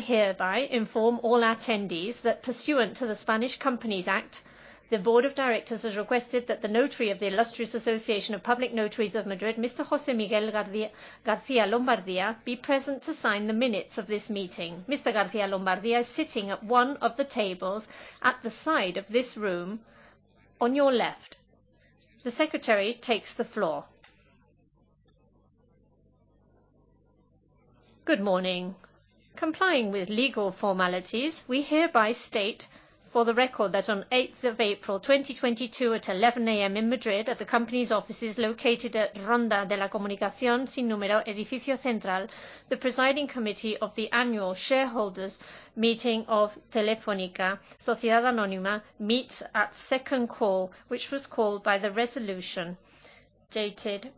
I hereby inform all attendees that pursuant to the Capital Companies Act, the Board of Directors has requested that the Notary of the Illustrious Association of Public Notaries of Madrid, Mr. José Miguel García Lombardía, be present to sign the minutes of this meeting. Mr. García Lombardía is sitting at one of the tables at the side of this room on your left. The Secretary takes the floor. Good morning. Complying with legal formalities, we hereby state for the record that on April 8th, 2022 at 11:00 A.M. in Madrid at the company's offices located at Ronda de la Comunicación, sin número, Edificio Central, the Presiding Committee of the annual shareholders' meeting of Telefónica, Sociedad Anónima, meets at second call, which was called by the resolution dated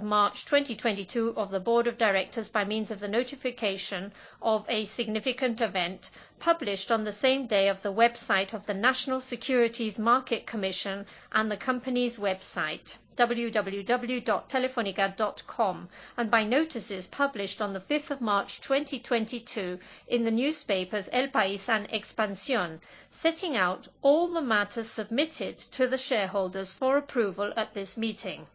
March 4th, 2022 of the Board of Directors by means of the notification of a significant event published on the same day of the website of the National Securities Market Commission and the company's website, www.telefonica.com, and by notices published on March 5th, 2022 in the newspapers El País and Expansión, setting out all the matters submitted to the shareholders for approval at this meeting.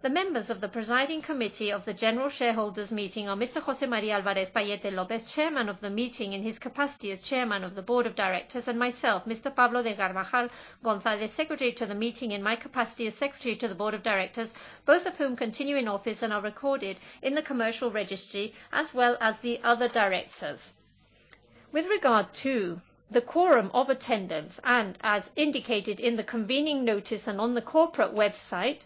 The members of the Presiding Committee of the general shareholders' meeting are Mr. José María Álvarez-Pallete López, Chairman of the meeting in his capacity as Chairman of the Board of Directors, and myself, Mr. Pablo de Carvajal González, Secretary to the meeting in my capacity as Secretary to the Board of Directors, both of whom continue in office and are recorded in the commercial registry, as well as the other directors. With regard to the quorum of attendance, and as indicated in the convening notice and on the corporate website,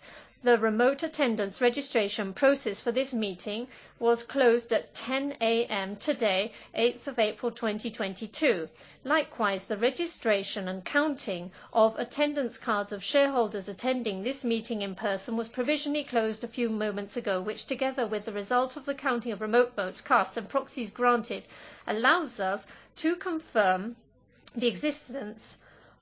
the remote attendance registration process for this meeting was closed at 10 A.M. today, April 8th, 2022. Likewise, the registration and counting of attendance cards of shareholders attending this meeting in person was provisionally closed a few moments ago, which together with the result of the counting of remote votes, cards, and proxies granted, allows us to confirm the existence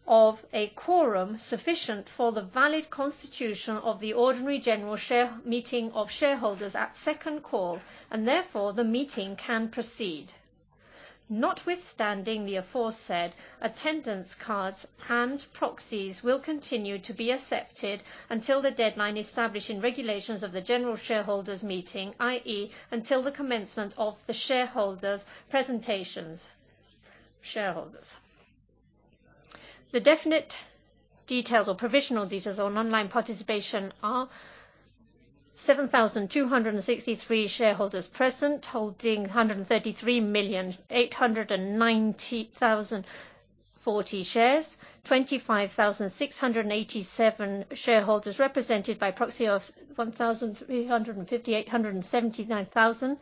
of a quorum sufficient for the valid constitution of the ordinary general shareholders' meeting at second call, and therefore the meeting can proceed. Notwithstanding the aforesaid, attendance cards and proxies will continue to be accepted until the deadline established in regulations of the general shareholders' meeting, i.e., until the commencement of the shareholders' presentations. The definitive or provisional details on online participation are 7,263 shareholders present, holding 133,890,040 shares. 25,687 shareholders represented by proxy holding 1,358,779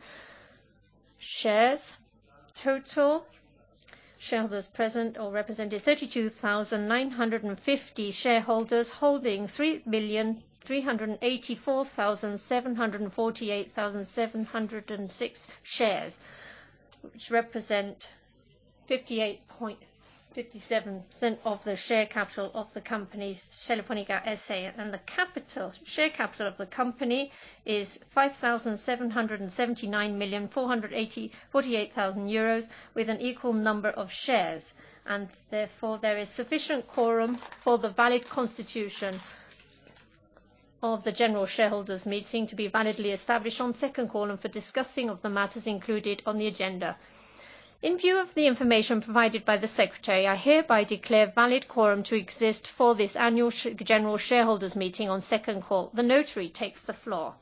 shares. Total shareholders present or represented: 32,950 shareholders holding 3,384,748,706 shares, which represent 58.57% of the share capital of Telefónica S.A. The capital, share capital of the company is 5,779,480,048 euros with an equal number of shares. Therefore, there is sufficient quorum for the valid constitution of the general shareholders' meeting to be validly established on second call and for discussing the matters included on the agenda. In view of the information provided by the Secretary, I hereby declare valid quorum to exist for this annual general shareholders' meeting on second call. The Notary takes the floor.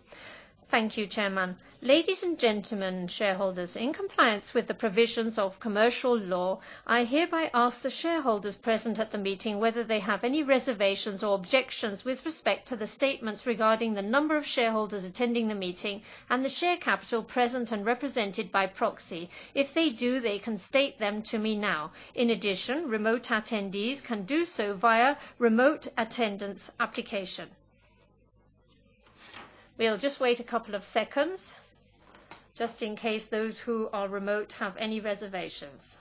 Thank you, Chairman. Ladies and gentlemen, shareholders, in compliance with the provisions of commercial law, I hereby ask the shareholders present at the meeting whether they have any reservations or objections with respect to the statements regarding the number of shareholders attending the meeting and the share capital present and represented by proxy. If they do, they can state them to me now. In addition, remote attendees can do so via remote attendance application. We'll just wait a couple of seconds, just in case those who are remote have any reservations.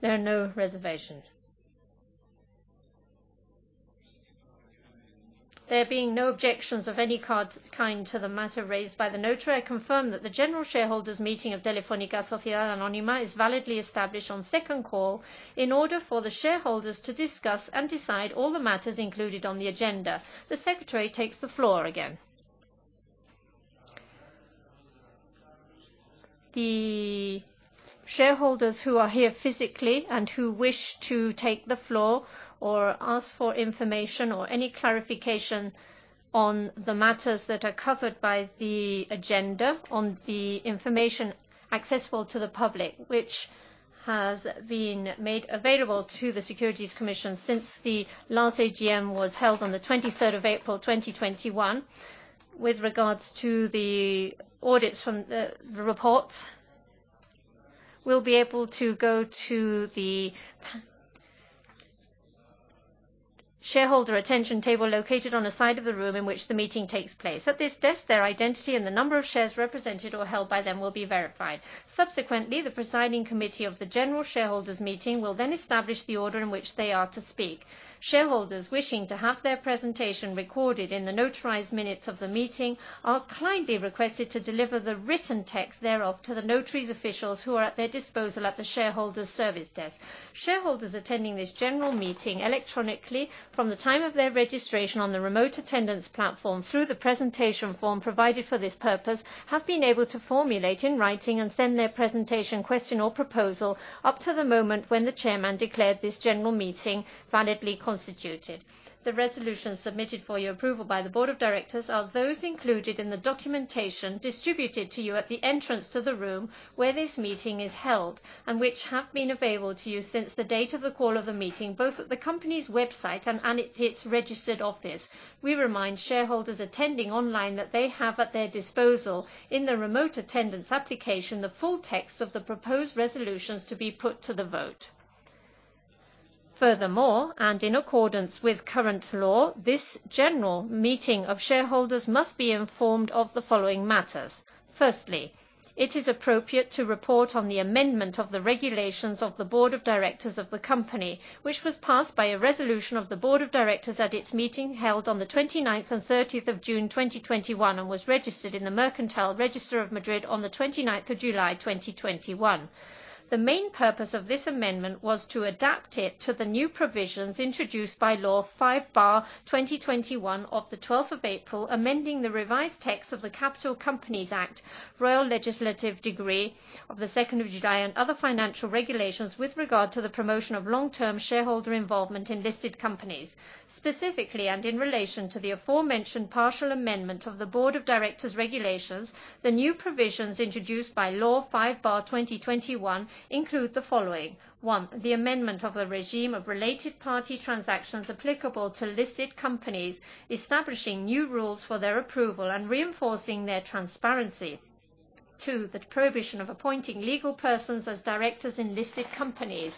There are no reservations. There being no objections of any kind to the matter raised by the Notary, I confirm that the general shareholders' meeting of Telefónica Sociedad Anónima is validly established on second call in order for the shareholders to discuss and decide all the matters included on the agenda. The Secretary takes the floor again. The shareholders who are here physically and who wish to take the floor or ask for information or any clarification on the matters that are covered by the agenda on the information accessible to the public, which has been made available to the Securities Commission since the last AGM was held on April 23rd, 2021. With regards to the audits from the reports, we'll be able to go to the shareholder attention table located on the side of the room in which the meeting takes place. At this desk, their identity and the number of shares represented or held by them will be verified. Subsequently, the Presiding Committee of the General Shareholders' Meeting will then establish the order in which they are to speak. Shareholders wishing to have their presentation recorded in the notarized minutes of the meeting are kindly requested to deliver the written text thereof to the notary officials who are at their disposal at the Shareholder Service Desk. Shareholders attending this General Shareholders' Meeting electronically from the time of their registration on the remote attendance platform through the presentation form provided for this purpose have been able to formulate in writing and send their presentation question or proposal up to the moment when the chairman declared this General Shareholders' Meeting validly constituted. The resolution submitted for your approval by the Board of Directors are those included in the documentation distributed to you at the entrance to the room where this meeting is held, and which have been available to you since the date of the call of the meeting, both at the company's website and at its registered office. We remind shareholders attending online that they have at their disposal in the remote attendance application, the full text of the proposed resolutions to be put to the vote. Furthermore, and in accordance with current law, this General Meeting of Shareholders must be informed of the following matters. It is appropriate to report on the amendment of the regulations of the Board of Directors of the company, which was passed by a resolution of the Board of Directors at its meeting held on June 29th, 2021, and June 30th, 2021, and was registered in the Mercantile Register of Madrid on July 29th, 2021. The main purpose of this amendment was to adapt it to the new provisions introduced by Law 5/2021 of April 12th, amending the revised text of the Capital Companies Act, Royal Legislative Decree of the 2nd of July, and other financial regulations with regard to the promotion of long-term shareholder involvement in listed companies. Specifically, in relation to the aforementioned partial amendment of the Board of Directors regulations, the new provisions introduced by Law 5/2021 include the following. 1. The amendment of the regime of related party transactions applicable to listed companies, establishing new rules for their approval and reinforcing their transparency. 2. The prohibition of appointing legal persons as directors in listed companies.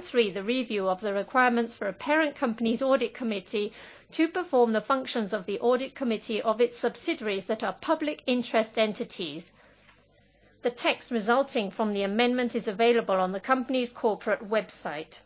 3. The review of the requirements for a parent company's audit committee to perform the functions of the audit committee of its subsidiaries that are public interest entities. The text resulting from the amendment is available on the company's corporate website.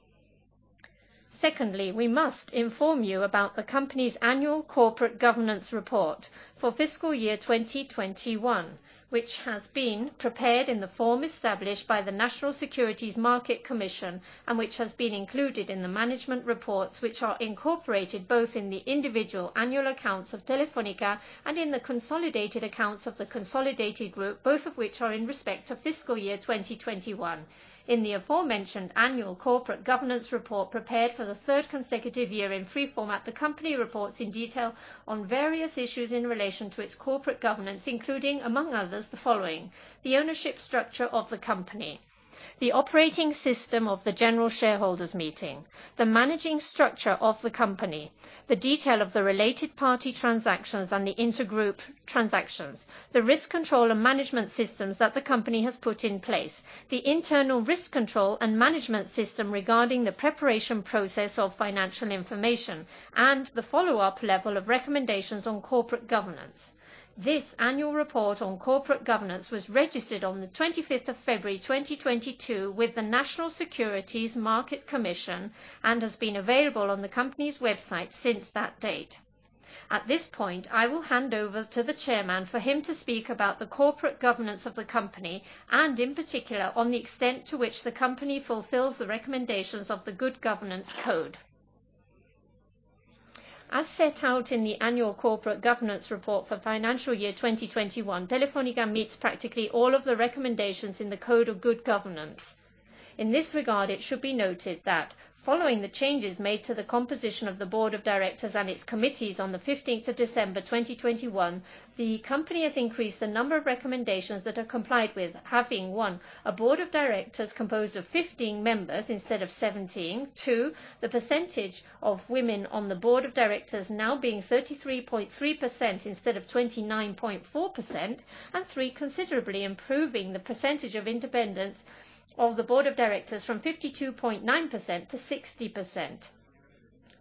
Secondly, we must inform you about the company's annual corporate governance report for fiscal year 2021, which has been prepared in the form established by the National Securities Market Commission and which has been included in the management reports, which are incorporated both in the individual annual accounts of Telefónica and in the consolidated accounts of the consolidated group, both of which are in respect to fiscal year 2021. In the aforementioned annual corporate governance report prepared for the third consecutive year in free format, the company reports in detail on various issues in relation to its corporate governance, including, among others, the following. The ownership structure of the company, the operating system of the general shareholders meeting, the managing structure of the company, the detail of the related party transactions and the intergroup transactions, the risk control and management systems that the company has put in place, the internal risk control and management system regarding the preparation process of financial information, and the follow-up level of recommendations on corporate governance. This annual report on corporate governance was registered on February 25th, 2022 with the National Securities Market Commission and has been available on the company's website since that date. At this point, I will hand over to the chairman for him to speak about the corporate governance of the company, and in particular, on the extent to which the company fulfills the recommendations of the good governance code. As set out in the annual corporate governance report for financial year 2021, Telefónica meets practically all of the recommendations in the code of good governance. In this regard, it should be noted that following the changes made to the composition of the Board of Directors and its committees on December 15th, 2021, the company has increased the number of recommendations that are complied with, having, one, a board of directors composed of 15 members instead of 17. Two, the percentage of women on the board of directors now being 33.3% instead of 29.4%. Three, considerably improving the percentage of independence of the board of directors from 52.9%-60%.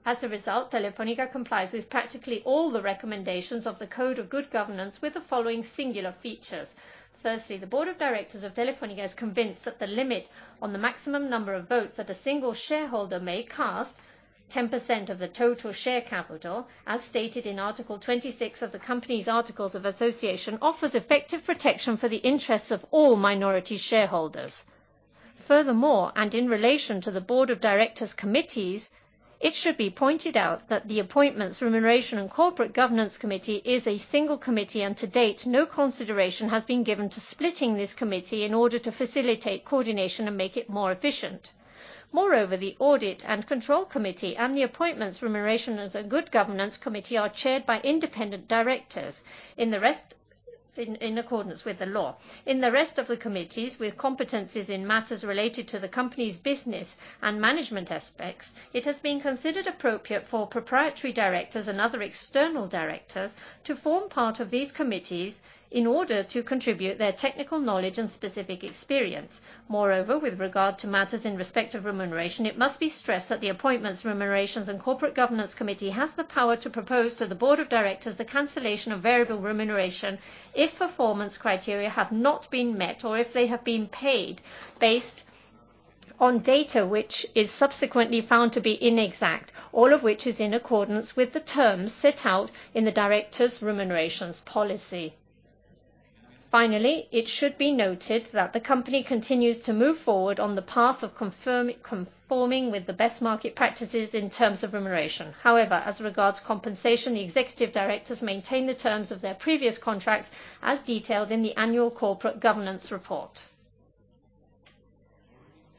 As a result, Telefónica complies with practically all the recommendations of the Code of Good Governance with the following singular features. Firstly, the board of directors of Telefónica is convinced that the limit on the maximum number of votes that a single shareholder may cast, 10% of the total share capital, as stated in Article 26 of the Company's Articles of Association, offers effective protection for the interests of all minority shareholders. Furthermore, and in relation to the board of directors committees, it should be pointed out that the Appointments, Remuneration, and Corporate Governance Committee is a single committee. To date, no consideration has been given to splitting this committee in order to facilitate coordination and make it more efficient. Moreover, the Audit and Control Committee and the Appointments, Remuneration and Corporate Governance Committee are chaired by independent directors in accordance with the law. In the rest of the committees, with competencies in matters related to the company's business and management aspects, it has been considered appropriate for proprietary directors and other external directors to form part of these committees in order to contribute their technical knowledge and specific experience. Moreover, with regard to matters in respect of remuneration, it must be stressed that the Appointments, Remuneration and Corporate Governance Committee has the power to propose to the Board of Directors the cancellation of variable remuneration if performance criteria have not been met or if they have been paid based on data which is subsequently found to be inexact, all of which is in accordance with the terms set out in the Directors' Remuneration Policy. Finally, it should be noted that the company continues to move forward on the path of conforming with the best market practices in terms of remuneration. However, as regards compensation, the executive directors maintain the terms of their previous contracts as detailed in the Annual Corporate Governance Report.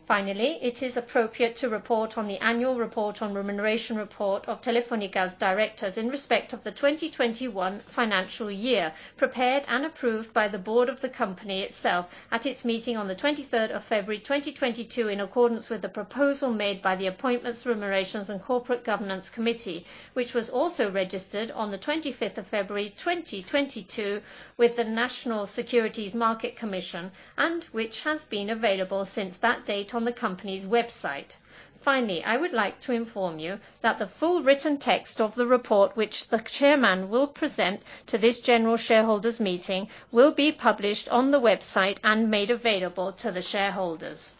Finally, it is appropriate to report on the annual report on remuneration of Telefónica's directors in respect of the 2021 financial year, prepared and approved by the Board of the company itself at its meeting on February 23rd, 2022, in accordance with the proposal made by the Appointments, Remunerations, and Corporate Governance Committee, which was also registered on February 25th, 2022 with the National Securities Market Commission, and which has been available since that date on the company's website. Finally, I would like to inform you that the full written text of the report, which the Chairman will present to this general shareholders' meeting, will be published on the website and made available to the shareholders.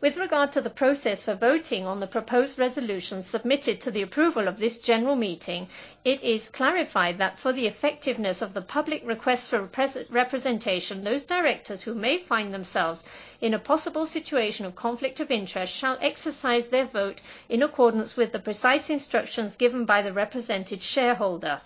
With regard to the process for voting on the proposed resolutions submitted to the approval of this general meeting, it is clarified that for the effectiveness of the public request for representation, those directors who may find themselves in a possible situation of conflict of interest shall exercise their vote in accordance with the precise instructions given by the represented shareholder.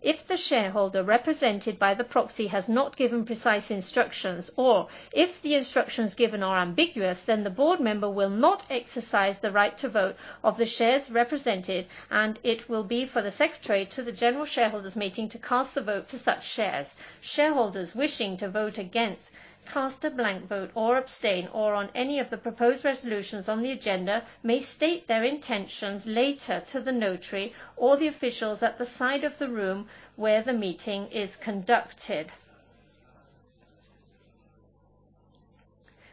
If the shareholder represented by the proxy has not given precise instructions, or if the instructions given are ambiguous, then the board member will not exercise the right to vote of the shares represented, and it will be for the secretary to the general shareholders meeting to cast the vote for such shares. Shareholders wishing to vote against, cast a blank vote, or abstain, or on any of the proposed resolutions on the agenda, may state their intentions later to the notary or the officials at the side of the room where the meeting is conducted.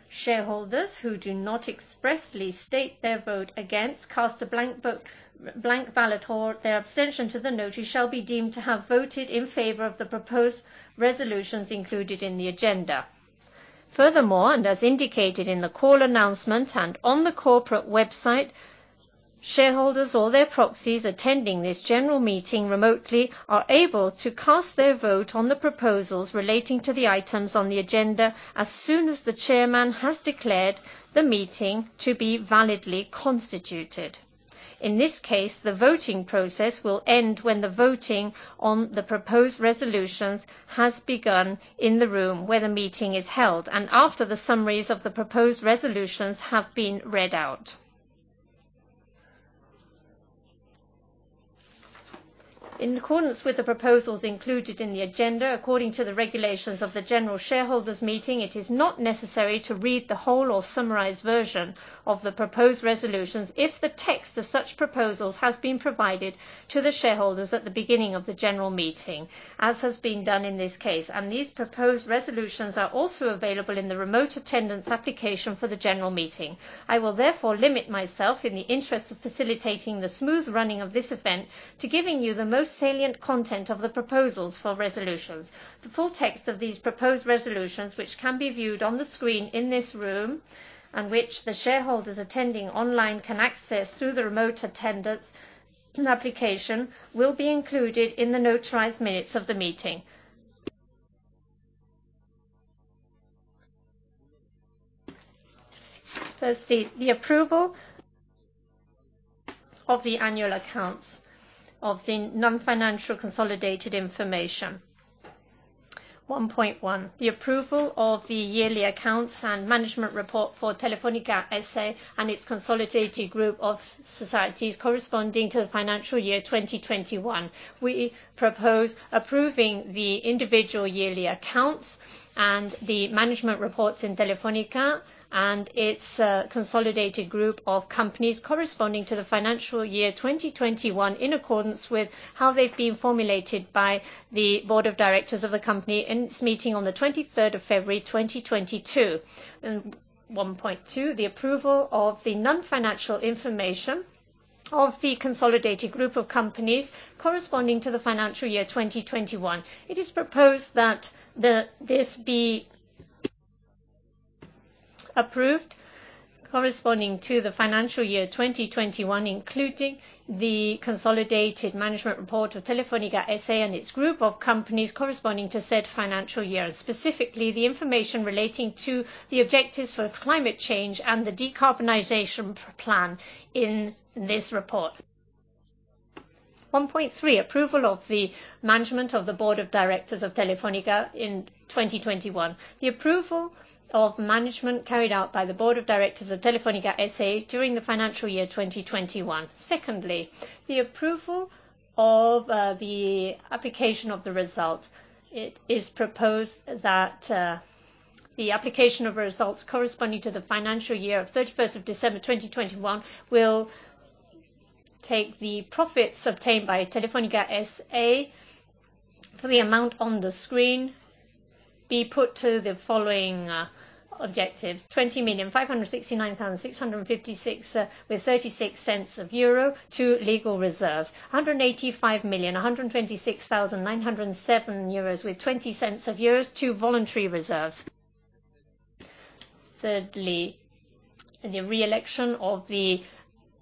Shareholders who do not expressly state their vote against, cast a blank ballot, or their abstention to the notary, shall be deemed to have voted in favor of the proposed resolutions included in the agenda. Furthermore, and as indicated in the call announcement and on the corporate website, shareholders or their proxies attending this general meeting remotely are able to cast their vote on the proposals relating to the items on the agenda as soon as the Chairman has declared the meeting to be validly constituted. In this case, the voting process will end when the voting on the proposed resolutions has begun in the room where the meeting is held, and after the summaries of the proposed resolutions have been read out. In accordance with the proposals included in the agenda, according to the regulations of the General Shareholders' Meeting, it is not necessary to read the whole or summarized version of the proposed resolutions if the text of such proposals has been provided to the shareholders at the beginning of the General Meeting, as has been done in this case, and these proposed resolutions are also available in the remote attendance application for the General Meeting. I will therefore limit myself, in the interest of facilitating the smooth running of this event, to giving you the most salient content of the proposals for resolutions. The full text of these proposed resolutions, which can be viewed on the screen in this room and which the shareholders attending online can access through the remote attendance application, will be included in the notarized minutes of the meeting. First, the approval of the annual accounts of the non-financial consolidated information. 1.1: The approval of the yearly accounts and management report for Telefónica, S.A. and its consolidated group of companies corresponding to the financial year 2021. We propose approving the individual yearly accounts and the management reports in Telefónica, S.A. and its consolidated group of companies corresponding to the financial year 2021, in accordance with how they've been formulated by the Board of Directors of the company in its meeting on February 23rd, 2022. 1.2: The approval of the non-financial information of the consolidated group of companies corresponding to the financial year 2021. It is proposed that this be approved corresponding to the financial year 2021, including the consolidated management report of Telefónica, S.A. and its group of companies corresponding to said financial year, specifically the information relating to the objectives for climate change and the decarbonization plan in this report. 1.3: Approval of the management of the Board of Directors of Telefónica in 2021. The approval of management carried out by the Board of Directors of Telefónica, S.A. during the financial year 2021. Secondly, the approval of the application of the results. It is proposed that the application of results corresponding to the financial year of December 31st, 2021, will take the profits obtained by Telefónica, S.A. for the amount on the screen be put to the following objectives: 20,569,656.36 euro to legal reserves. 185,126,907.20 euros to voluntary reserves. Thirdly, the reelection of the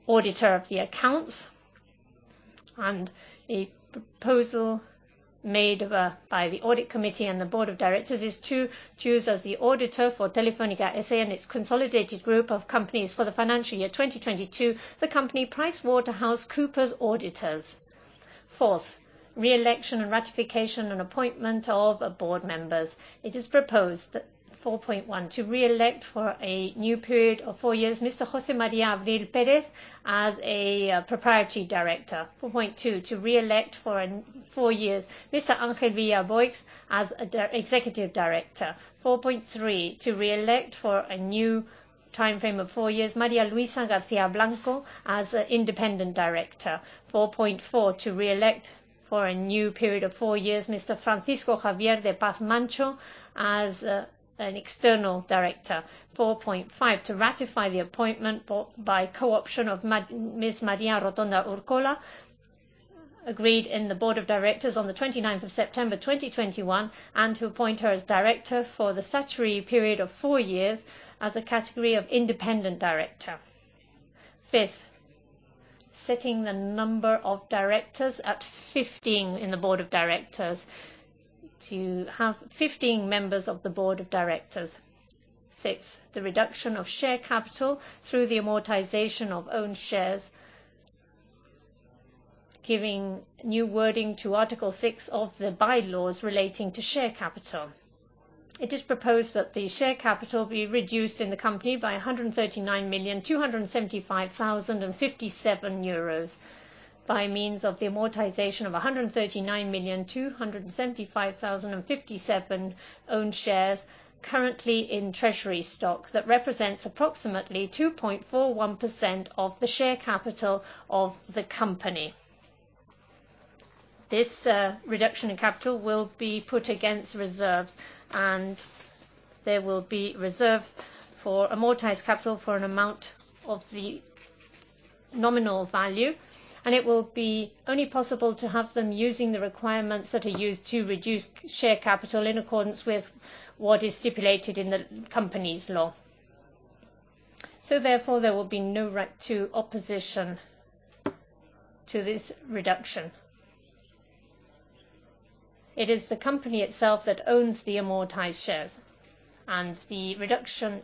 auditor of the accounts and a proposal made by the audit committee and the board of directors is to choose as the auditor for Telefónica, S.A. and its consolidated group of companies for the financial year 2022, the company PricewaterhouseCoopers auditors. Fourth, reelection and ratification and appointment of board members. It is proposed that 4.1, to reelect for a new period of four years, Mr. José María Abril Pérez as a proprietary director. 4.2, to reelect for four years, Mr. Ángel Vilá Boix as an executive director. 4.3, to reelect for a new time frame of four years, María Luisa García Blanco as an independent director. 4.4, to reelect for a new period of four years, Mr. Francisco Javier de Paz Mancho as an external director. 4.5, to ratify the appointment by co-option of Miss María Rotondo Urcola, agreed in the board of directors on September 29th, 2021, and to appoint her as director for the statutory period of four years as a category of independent director. Fifth, setting the number of directors at 15 in the board of directors to have 15 members of the board of directors. Sixth, the reduction of share capital through the amortization of own shares, giving new wording to Article 6 of the bylaws relating to share capital. It is proposed that the share capital be reduced in the company by 139,275,057 euros by means of the amortization of 139,275,057 own shares currently in treasury stock. That represents approximately 2.41% of the share capital of the company. This reduction in capital will be put against reserves, and there will be reserve for amortized capital for an amount of the nominal value. It will be only possible to have them using the requirements that are used to reduce share capital in accordance with what is stipulated in the company's law. Therefore, there will be no right to opposition to this reduction. It is the company itself that owns the amortized shares, and the reduction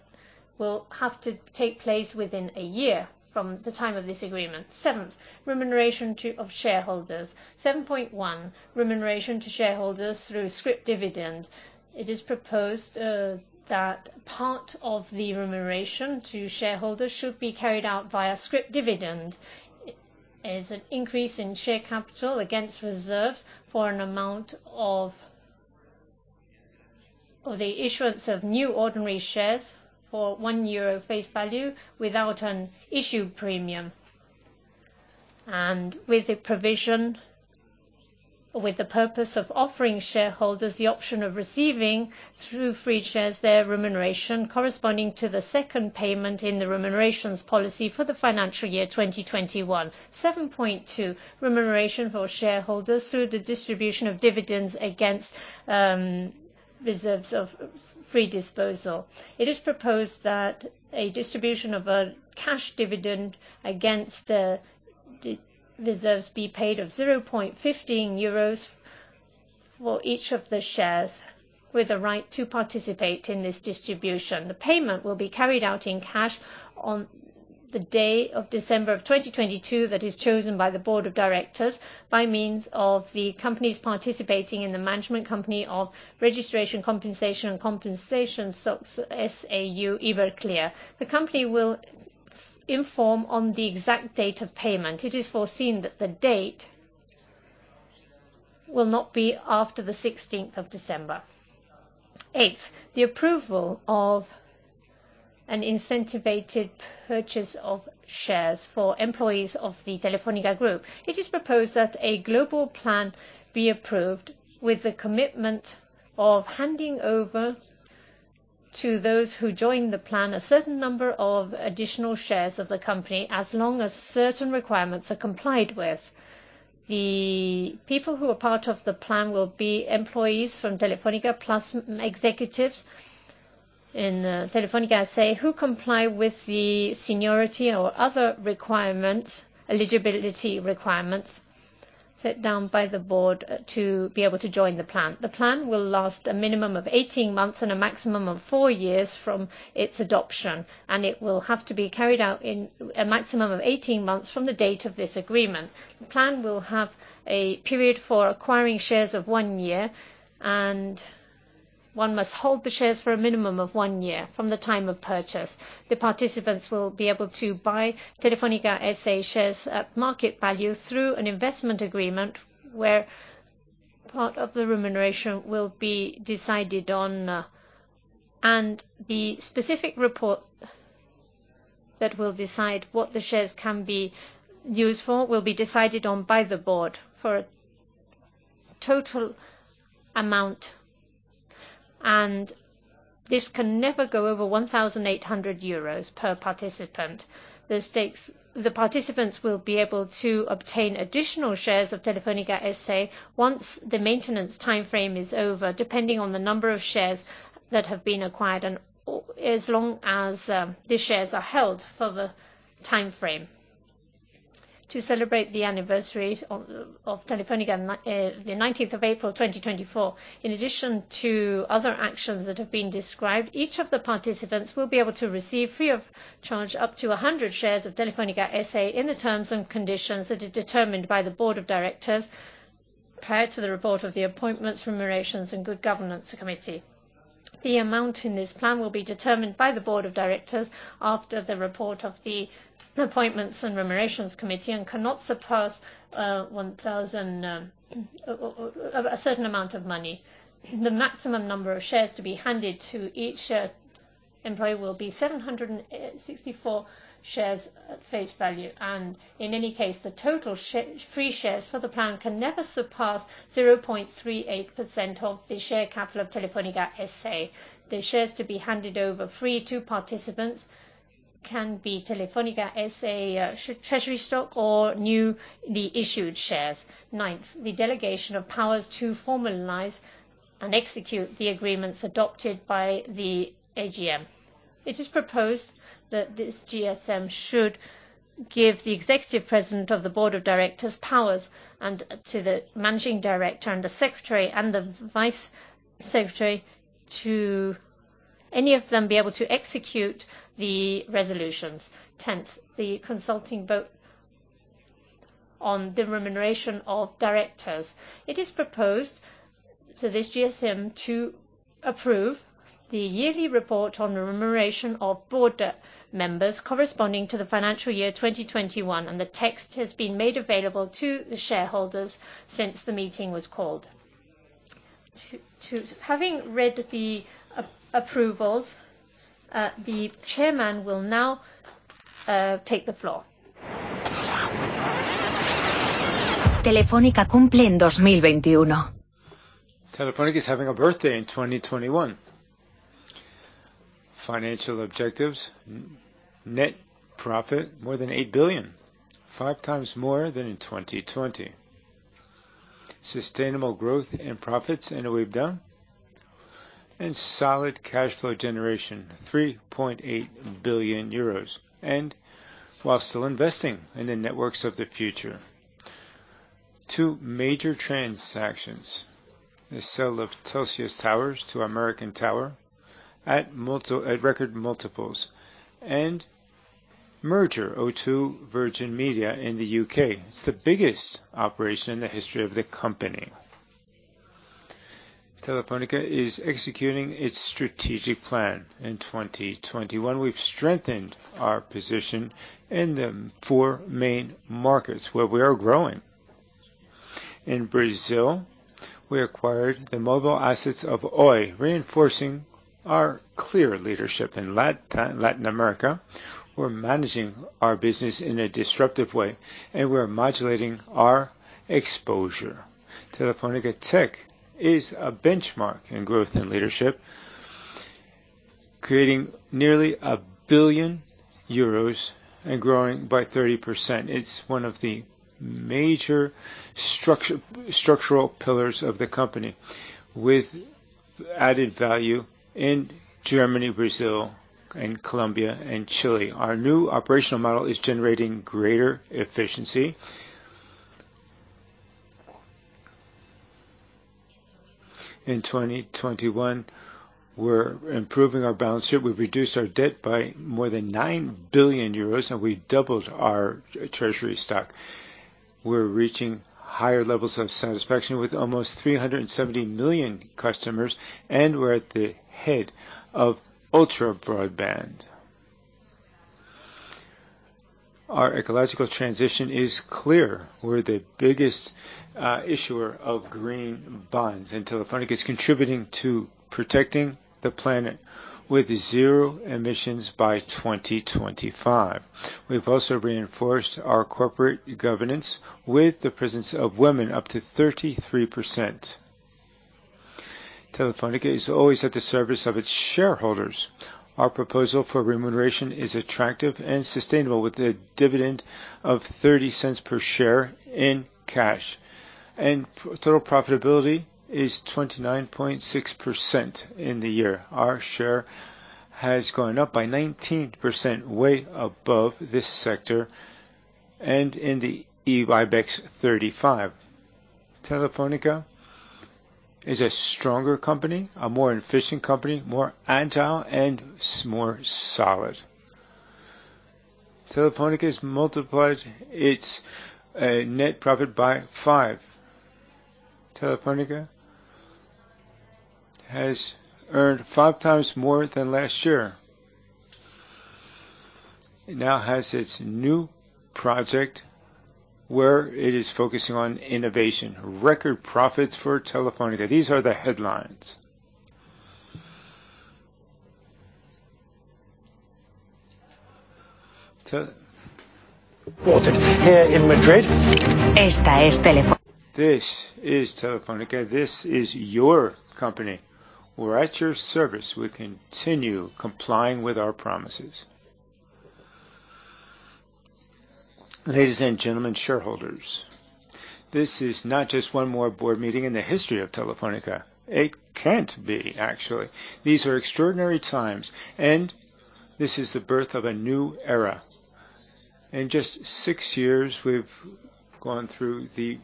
will have to take place within a year from the time of this agreement. Seventh, remuneration of shareholders. 7.1, remuneration to shareholders through scrip dividend. It is proposed that part of the remuneration to shareholders should be carried out via scrip dividend as an increase in share capital against reserve for an amount of the issuance of new ordinary shares for 1 euro face value without an issue premium. With the provision, with the purpose of offering shareholders the option of receiving through free shares their remuneration corresponding to the second payment in the remunerations policy for the financial year 2021. 7.2, remuneration for shareholders through the distribution of dividends against reserves of free disposal. It is proposed that a distribution of a cash dividend against the reserves be paid of 0.15 euros for each of the shares with the right to participate in this distribution. The payment will be carried out in cash on the day of December of 2022 that is chosen by the board of directors by means of the companies participating in the management company of registration, compensation and liquidation SAU Iberclear. The company will inform on the exact date of payment. It is foreseen that the date will not be after December 16th. Eighth, the approval of an incentivized purchase of shares for employees of the Telefónica Group. It is proposed that a global plan be approved with the commitment of handing over to those who join the plan a certain number of additional shares of the company, as long as certain requirements are complied with. The people who are part of the plan will be employees from Telefónica, plus executives in Telefónica, S.A., who comply with the seniority or other requirements, eligibility requirements, set down by the board to be able to join the plan. The plan will last a minimum of 18 months and a maximum of four years from its adoption, and it will have to be carried out in a maximum of 18 months from the date of this agreement. The plan will have a period for acquiring shares of one year, and one must hold the shares for a minimum of one year from the time of purchase. The participants will be able to buy Telefónica, S.A. shares at market value through an investment agreement where part of the remuneration will be decided on, and the specific report that will decide what the shares can be used for will be decided on by the board for a total amount. This can never go over 1,800 euros per participant. The participants will be able to obtain additional shares of Telefónica, S.A. once the maintenance timeframe is over, depending on the number of shares that have been acquired and as long as the shares are held for the timeframe. To celebrate the anniversary of Telefónica on April 19th, 2024. In addition to other actions that have been described, each of the participants will be able to receive free of charge up to 100 shares of Telefónica, S.A. in the terms and conditions that are determined by the board of directors prior to the report of the appointments, remunerations, and good governance committee. The amount in this plan will be determined by the board of directors after the report of the appointments and remunerations committee and cannot surpass 1,000, a certain amount of money. The maximum number of shares to be handed to each employee will be 764 shares at face value, and in any case, the total free shares for the plan can never surpass 0.38% of the share capital of Telefónica, S.A. The shares to be handed over free to participants can be Telefónica, S.A. treasury stock or newly issued shares. Ninth, the delegation of powers to formalize and execute the agreements adopted by the AGM. It is proposed that this AGM should give the executive president of the board of directors' powers and to the managing director and the secretary and the vice secretary to any of them be able to execute the resolutions. Tenth, the consultative vote on the remuneration of directors. It is proposed to this AGM to approve the yearly report on remuneration of board members corresponding to the financial year 2021, and the text has been made available to the shareholders since the meeting was called. Having read the approvals, the chairman will now take the floor. Telefónica cumple en 2021. Telefónica is having a birthday in 2021. Financial objectives. Net profit, more than 8 billion, five times more than in 2020. Sustainable growth in profits, we've done. Solid cash flow generation, 3.8 billion euros, while still investing in the networks of the future. Two major transactions, the sale of Telxius Towers to American Tower at record multiples and merger O2 Virgin Media in the U.K. It's the biggest operation in the history of the company. Telefónica is executing its strategic plan in 2021. We've strengthened our position in the four main markets where we are growing. In Brazil, we acquired the mobile assets of Oi, reinforcing our clear leadership in Latin America. We're managing our business in a disruptive way, and we are modulating our exposure. Telefónica Tech is a benchmark in growth and leadership, creating nearly 1 billion euros and growing by 30%. It's one of the major structural pillars of the company with added value in Germany, Brazil, and Colombia, and Chile. Our new operational model is generating greater efficiency. In 2021, we're improving our balance sheet. We've reduced our debt by more than 9 billion euros, and we doubled our treasury stock. We're reaching higher levels of satisfaction with almost 370 million customers, and we're at the head of ultra-broadband. Our ecological transition is clear. We're the biggest issuer of green bonds, and Telefónica is contributing to protecting the planet with zero emissions by 2025. We've also reinforced our corporate governance with the presence of women up to 33%. Telefónica is always at the service of its shareholders. Our proposal for remuneration is attractive and sustainable with a dividend of 0.30 per share in cash. Total profitability is 29.6% in the year. Our share has gone up by 19% way above this sector and in the IBEX 35. Telefónica is a stronger company, a more efficient company, more agile, and more solid. Telefónica has multiplied its net profit by five. Telefónica has earned five times more than last year. It now has its new project where it is focusing on innovation. Record profits for Telefónica. These are the headlines. Walter, here in Madrid. This is Telefónica. This is your company. We're at your service. We continue complying with our promises. Ladies and gentlemen, shareholders. This is not just one more board meeting in the history of Telefónica. It can't be, actually. These are extraordinary times, and this is the birth of a new era. In just six years, we've gone through the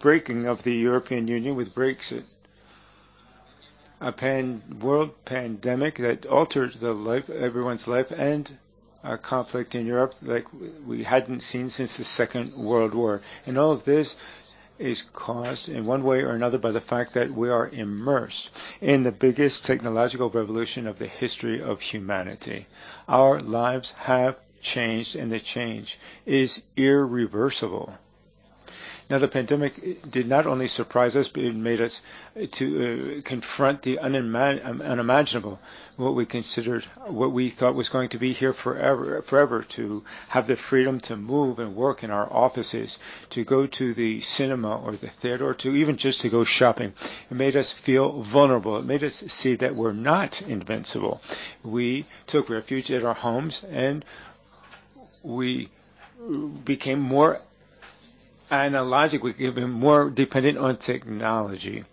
breaking of the European Union with Brexit, a world pandemic that altered the life, everyone's life, and a conflict in Europe like we hadn't seen since the Second World War. All of this is caused in one way or another by the fact that we are immersed in the biggest technological revolution of the history of humanity. Our lives have changed, and the change is irreversible. Now, the pandemic did not only surprise us, but it made us confront the unimaginable, what we considered. What we thought was going to be here forever, to have the freedom to move and work in our offices, to go to the cinema or the theater, or to even just to go shopping. It made us feel vulnerable. It made us see that we're not invincible. We took refuge at our homes, and we became more analogically, even more dependent on technology.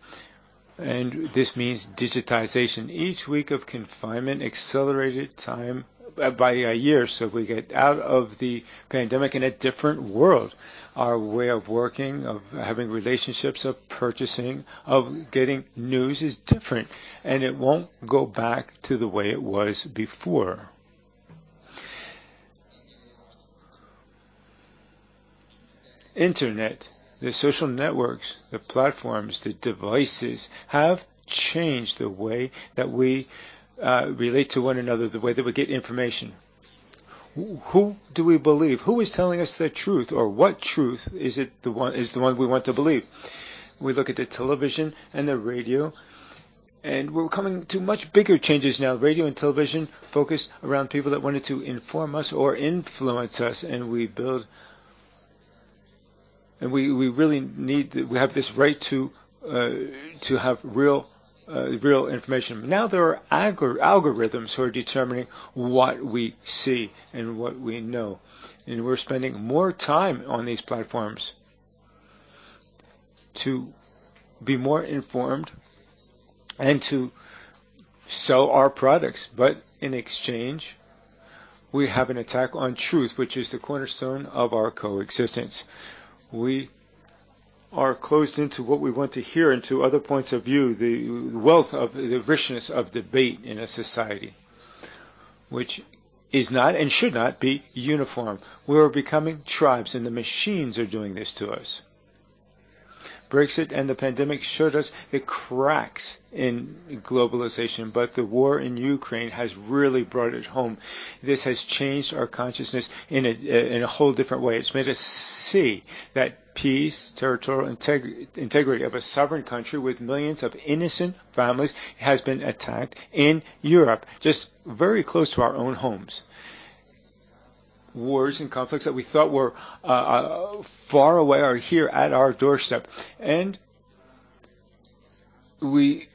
This means digitization. Each week of confinement accelerated time by a year, so we get out of the pandemic in a different world. Our way of working, of having relationships, of purchasing, of getting news is different, and it won't go back to the way it was before. Internet, the social networks, the platforms, the devices have changed the way that we relate to one another, the way that we get information. Who do we believe? Who is telling us the truth, or what truth is it, the one we want to believe? We look at the television and the radio, and we're coming to much bigger changes now. Radio and television focus around people that wanted to inform us or influence us. We really need this right to have real information. Now there are algorithms who are determining what we see and what we know. We're spending more time on these platforms to be more informed and to sell our products. In exchange, we have an attack on truth, which is the cornerstone of our coexistence. We are closed into what we want to hear and to other points of view, the wealth of, the richness of debate in a society which is not and should not be uniform. We are becoming tribes, and the machines are doing this to us. Brexit and the pandemic showed us the cracks in globalization, but the war in Ukraine has really brought it home. This has changed our consciousness in a whole different way. It's made us see that peace, territorial integrity of a sovereign country with millions of innocent families has been attacked in Europe, just very close to our own homes. Wars and conflicts that we thought were far away are here at our doorstep. We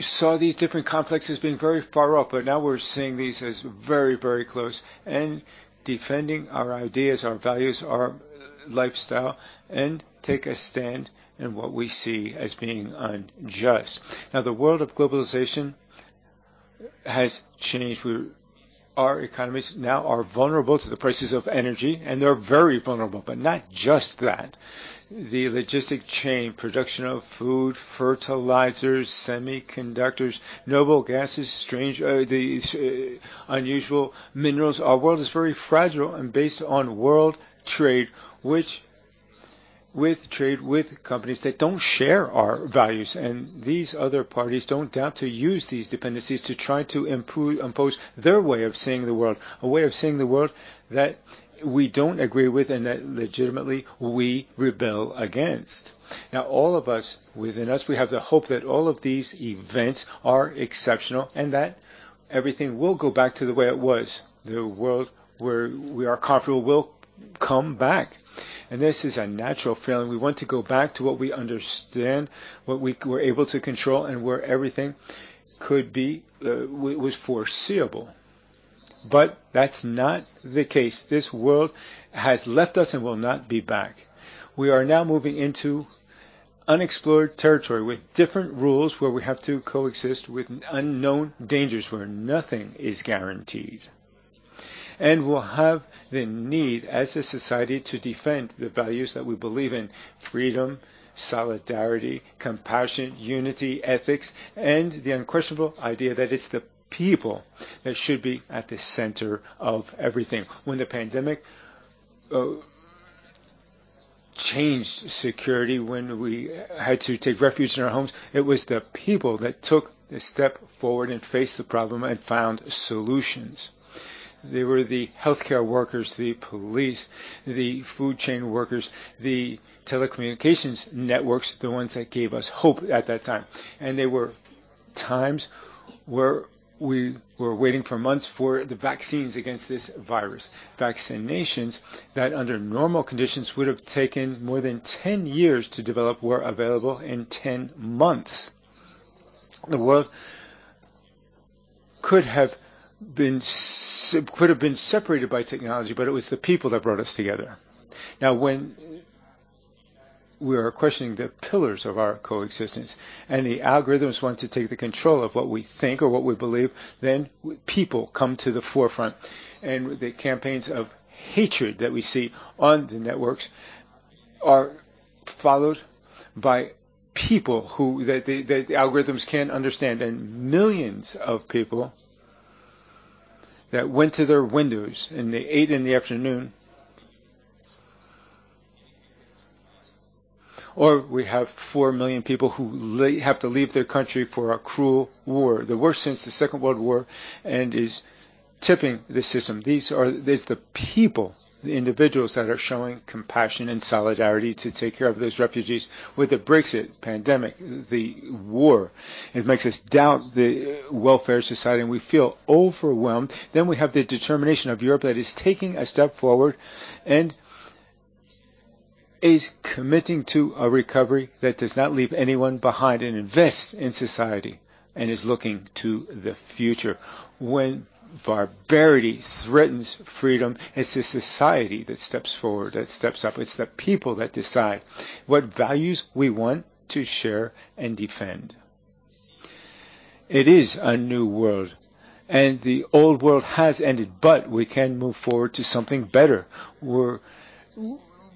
saw these different conflicts as being very far off, but now we're seeing these as very, very close and defending our ideas, our values, our lifestyle, and take a stand in what we see as being unjust. Now, the world of globalization has changed. Our economies now are vulnerable to the prices of energy, and they're very vulnerable. But not just that, the logistic chain, production of food, fertilizers, semiconductors, noble gases, strange, these unusual minerals. Our world is very fragile and based on world trade, which with trade with companies that don't share our values, and these other parties don't doubt to use these dependencies to try to improve, impose their way of seeing the world, a way of seeing the world that we don't agree with and that legitimately we rebel against. Now, all of us, within us, we have the hope that all of these events are exceptional and that everything will go back to the way it was. The world where we are comfortable will come back, and this is a natural feeling. We want to go back to what we understand, what we were able to control, and where everything could be was foreseeable. But that's not the case. This world has left us and will not be back. We are now moving into unexplored territory with different rules where we have to coexist with unknown dangers, where nothing is guaranteed. We'll have the need as a society to defend the values that we believe in, freedom, solidarity, compassion, unity, ethics, and the unquestionable idea that it's the people that should be at the center of everything. When the pandemic changed security, when we had to take refuge in our homes, it was the people that took the step forward and faced the problem and found solutions. They were the healthcare workers, the police, the food chain workers, the telecommunications networks, the ones that gave us hope at that time. There were times where we were waiting for months for the vaccines against this virus. Vaccinations that under normal conditions would have taken more than 10 years to develop were available in 10 months. The world could have been separated by technology, but it was the people that brought us together. Now, when we are questioning the pillars of our coexistence and the algorithms want to take the control of what we think or what we believe, then people come to the forefront. The campaigns of hatred that we see on the networks are followed by people who the algorithms can't understand, and millions of people that went to their windows and they clapped in the afternoon. We have four million people who have to leave their country for a cruel war, the worst since the Second World War, and it is tipping the system. These are the people, the individuals that are showing compassion and solidarity to take care of those refugees. With Brexit, the pandemic, the war, it makes us doubt the welfare society, and we feel overwhelmed. We have the determination of Europe that is taking a step forward and is committing to a recovery that does not leave anyone behind and investing in society and is looking to the future. When barbarity threatens freedom, it's the society that steps forward, that steps up. It's the people that decide what values we want to share and defend. It is a new world, and the old world has ended, but we can move forward to something better. We're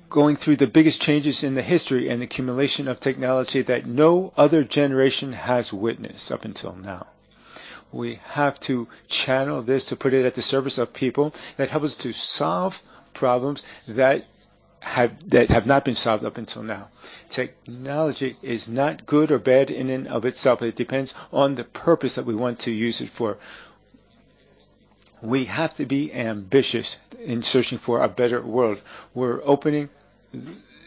going through the biggest changes in the history and accumulation of technology that no other generation has witnessed up until now. We have to channel this to put it at the service of people that help us to solve problems that have not been solved up until now. Technology is not good or bad in and of itself. It depends on the purpose that we want to use it for. We have to be ambitious in searching for a better world. We're opening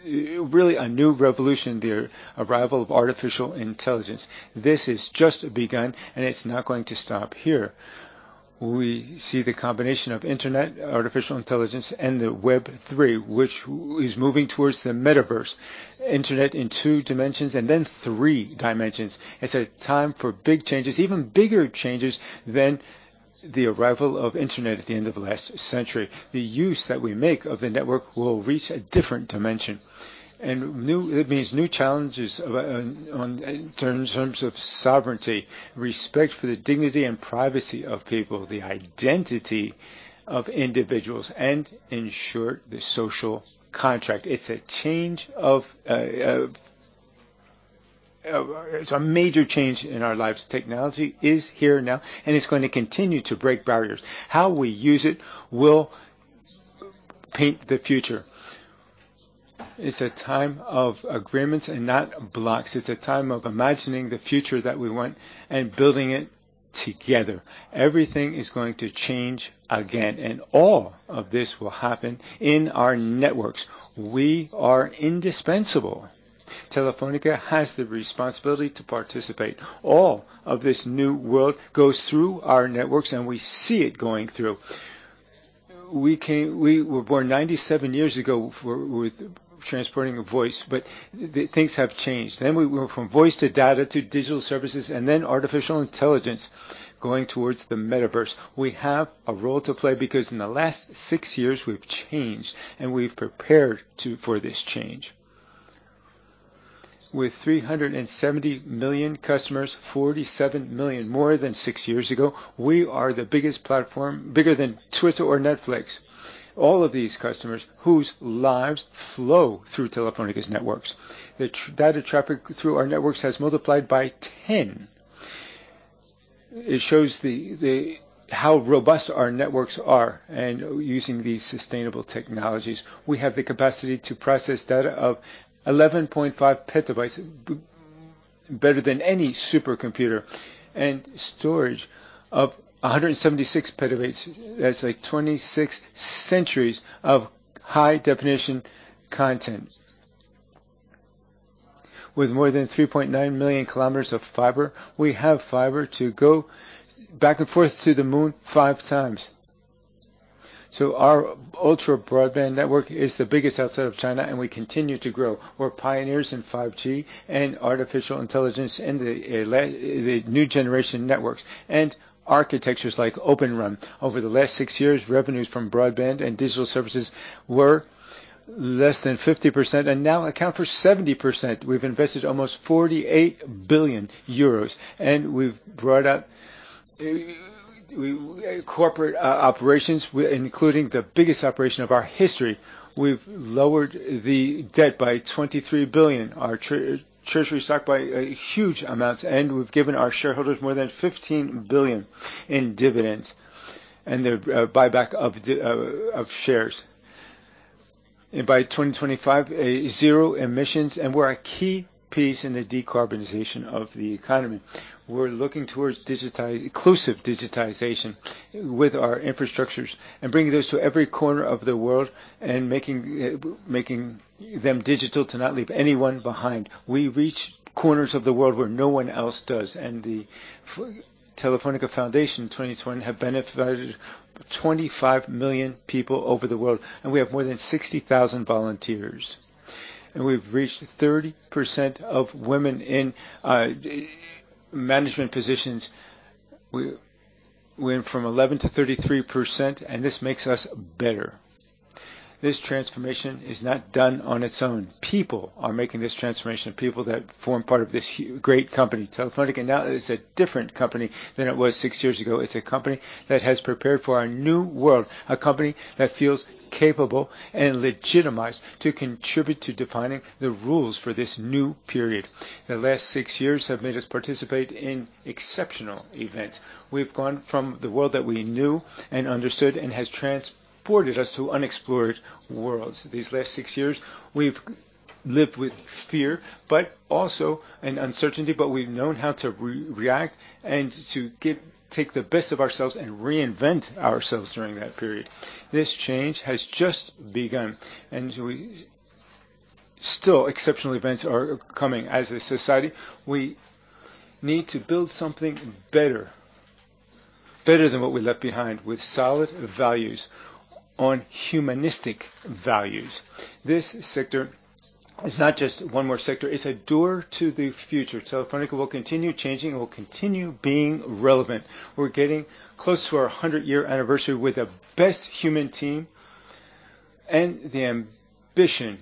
really a new revolution, the arrival of artificial intelligence. This has just begun, and it's not going to stop here. We see the combination of internet, artificial intelligence, and the Web3, which is moving towards the Metaverse, internet in two dimensions and then three dimensions. It's a time for big changes, even bigger changes than the arrival of internet at the end of the last century. The use that we make of the network will reach a different dimension and new challenges in terms of sovereignty, respect for the dignity and privacy of people, the identity of individuals, and ensure the social contract. It's a change. It's a major change in our lives. Technology is here now, and it's going to continue to break barriers. How we use it will paint the future. It's a time of agreements and not blocks. It's a time of imagining the future that we want and building it together. Everything is going to change again, and all of this will happen in our networks. We are indispensable. Telefónica has the responsibility to participate. All of this new world goes through our networks, and we see it going through. We were born 97 years ago with transporting a voice, but things have changed. We went from voice to data to digital services and then artificial intelligence going towards the Metaverse. We have a role to play because in the last six years, we've changed, and we've prepared for this change. With 370 million customers, 47 million more than six years ago, we are the biggest platform, bigger than Twitter or Netflix. All of these customers whose lives flow through Telefónica's networks. The data traffic through our networks has multiplied by 10. It shows how robust our networks are, using these sustainable technologies. We have the capacity to process data of 11.5 PB, better than any supercomputer, and storage of 176 PB. That's like 26 centuries of high-definition content. With more than 3.9 million km of fiber, we have fiber to go back and forth to the moon five times. Our ultra-broadband network is the biggest outside of China, and we continue to grow. We're pioneers in 5G and artificial intelligence and the new generation networks and architectures like Open RAN. Over the last six years, revenues from broadband and digital services were less than 50% and now account for 70%. We've invested almost 48 billion euros, and we've brought up, we, corporate operations including the biggest operation of our history. We've lowered the debt by 23 billion, our treasury stock by huge amounts, and we've given our shareholders more than 15 billion in dividends and the buyback of shares. By 2025, zero emissions, and we're a key piece in the decarbonization of the economy. We're looking towards inclusive digitization with our infrastructures and bringing those to every corner of the world and making them digital to not leave anyone behind. We reach corners of the world where no one else does, and the Telefónica Foundation in 2020 have benefited 25 million people over the world, and we have more than 60,000 volunteers. We've reached 30% of women in management positions. We went from 11%-33%, and this makes us better. This transformation is not done on its own. People are making this transformation, people that form part of this great company. Telefónica now is a different company than it was six years ago. It's a company that has prepared for our new world, a company that feels capable and legitimized to contribute to defining the rules for this new period. The last six years have made us participate in exceptional events. We've gone from the world that we knew and understood and has transported us to unexplored worlds. These last six years, we've lived with fear, but also an uncertainty. We've known how to react and to take the best of ourselves and reinvent ourselves during that period. This change has just begun. Still, exceptional events are coming. As a society, we need to build something better than what we left behind, with solid values on humanistic values. This sector is not just one more sector, it's a door to the future. Telefónica will continue changing, and we'll continue being relevant. We're getting close to our hundred-year anniversary with the best human team and the ambition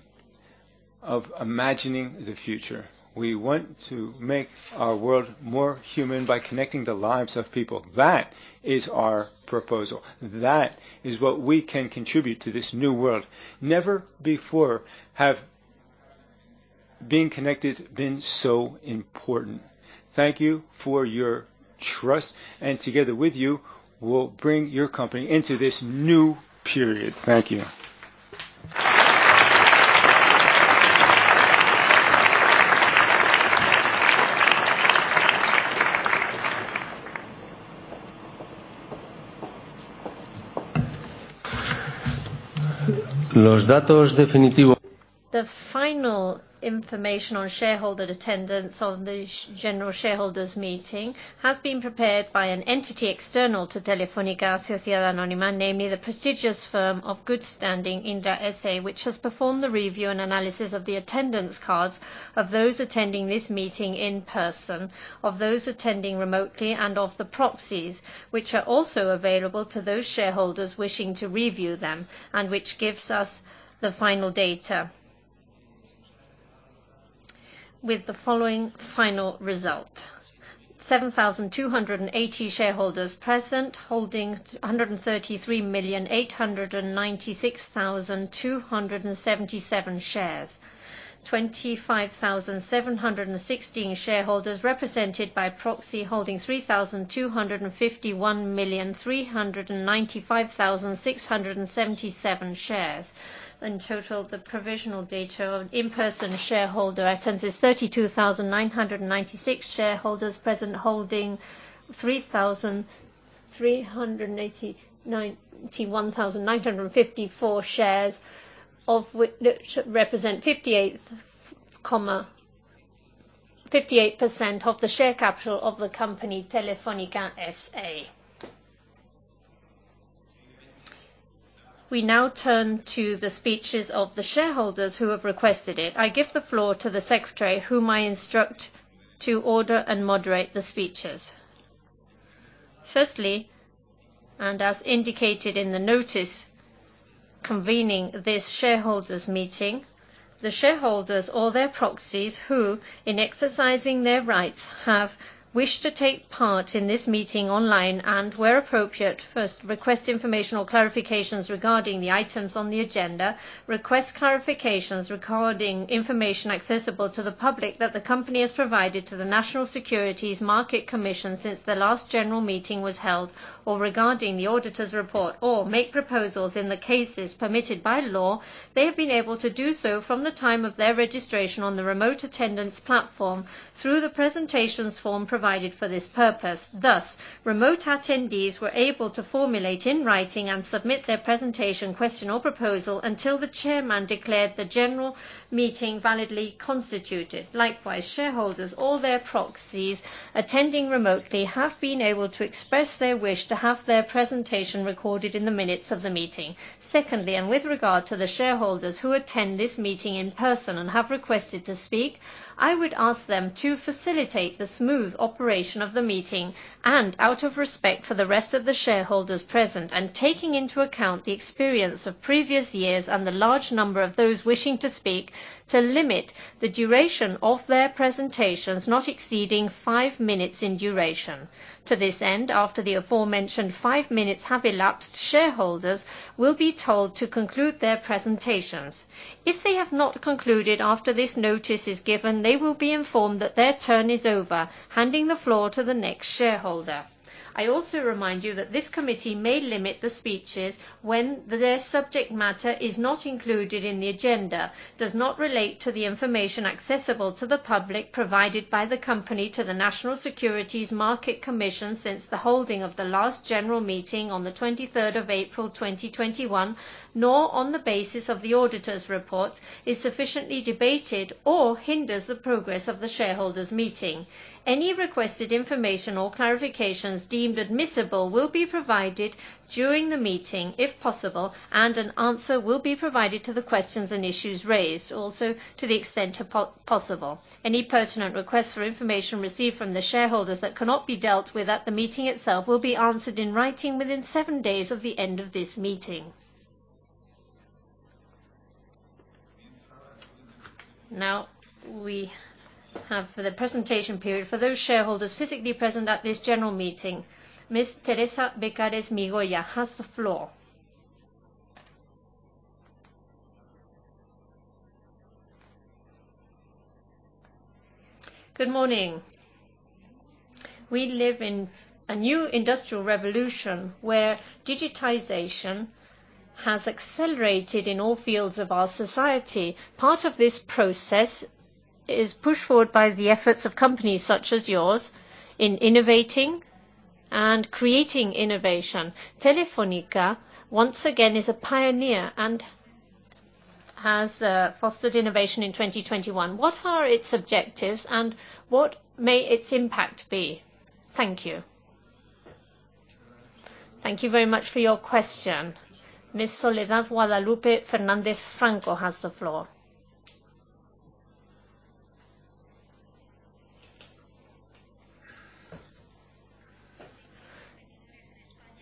of imagining the future. We want to make our world more human by connecting the lives of people. That is our proposal. That is what we can contribute to this new world. Never before have being connected been so important. Thank you for your trust, and together with you, we'll bring your company into this new period. Thank you. Los datos definitivo. The final information on shareholder attendance of the general shareholders meeting has been prepared by an entity external to Telefónica, S.A., namely the prestigious firm of good standing, Indra, S.A., which has performed the review and analysis of the attendance cards of those attending this meeting in person, of those attending remotely, and of the proxies, which are also available to those shareholders wishing to review them, and which gives us the final data with the following final result: 7,280 shareholders present, holding 233,896,277 shares. 25,716 shareholders represented by proxy, holding 3,251,395,677 shares. In total, the provisional data of in-person shareholder attendance is 32,996 shareholders present, holding 3,389,191,954 shares, of which represent 58% of the share capital of the company, Telefónica, S.A. We now turn to the speeches of the shareholders who have requested it. I give the floor to the secretary, whom I instruct to order and moderate the speeches. Firstly, as indicated in the notice convening this shareholders' meeting, the shareholders or their proxies, who in exercising their rights, have wished to take part in this meeting online and where appropriate, first request information or clarifications regarding the items on the agenda, request clarifications regarding information accessible to the public that the company has provided to the National Securities Market Commission since the last general meeting was held, or regarding the auditor's report, or make proposals in the cases permitted by law, they have been able to do so from the time of their registration on the remote attendance platform through the presentations form provided for this purpose. Thus, remote attendees were able to formulate in writing and submit their presentation, question, or proposal until the chairman declared the general meeting validly constituted. Likewise, shareholders or their proxies attending remotely have been able to express their wish to have their presentation recorded in the minutes of the meeting. Secondly, and with regard to the shareholders who attend this meeting in person and have requested to speak, I would ask them to facilitate the smooth operation of the meeting and out of respect for the rest of the shareholders present, and taking into account the experience of previous years and the large number of those wishing to speak, to limit the duration of their presentations not exceeding five minutes in duration. To this end, after the aforementioned five minutes have elapsed, shareholders will be told to conclude their presentations. If they have not concluded after this notice is given, they will be informed that their turn is over, handing the floor to the next shareholder. I also remind you that this committee may limit the speeches when their subject matter is not included in the agenda, does not relate to the information accessible to the public provided by the company to the National Securities Market Commission since the holding of the last general meeting on April 23rd, 2021, nor on the basis of the auditor's report, is sufficiently debated or hinders the progress of the shareholders meeting. Any requested information or clarifications deemed admissible will be provided during the meeting if possible, and an answer will be provided to the questions and issues raised, also to the extent possible. Any pertinent requests for information received from the shareholders that cannot be dealt with at the meeting itself will be answered in writing within seven days of the end of this meeting. Now we have the presentation period for those shareholders physically present at this general meeting. [Ms. Teresa Becarés Migoya] has the floor. Good morning. We live in a new industrial revolution where digitization has accelerated in all fields of our society. Part of this process is pushed forward by the efforts of companies such as yours in innovating and creating innovation. Telefónica, once again, is a pioneer and has fostered innovation in 2021. What are its objectives and what may its impact be? Thank you. Thank you very much for your question. Ms. Soledad Guadalupe Fernández Franco has the floor.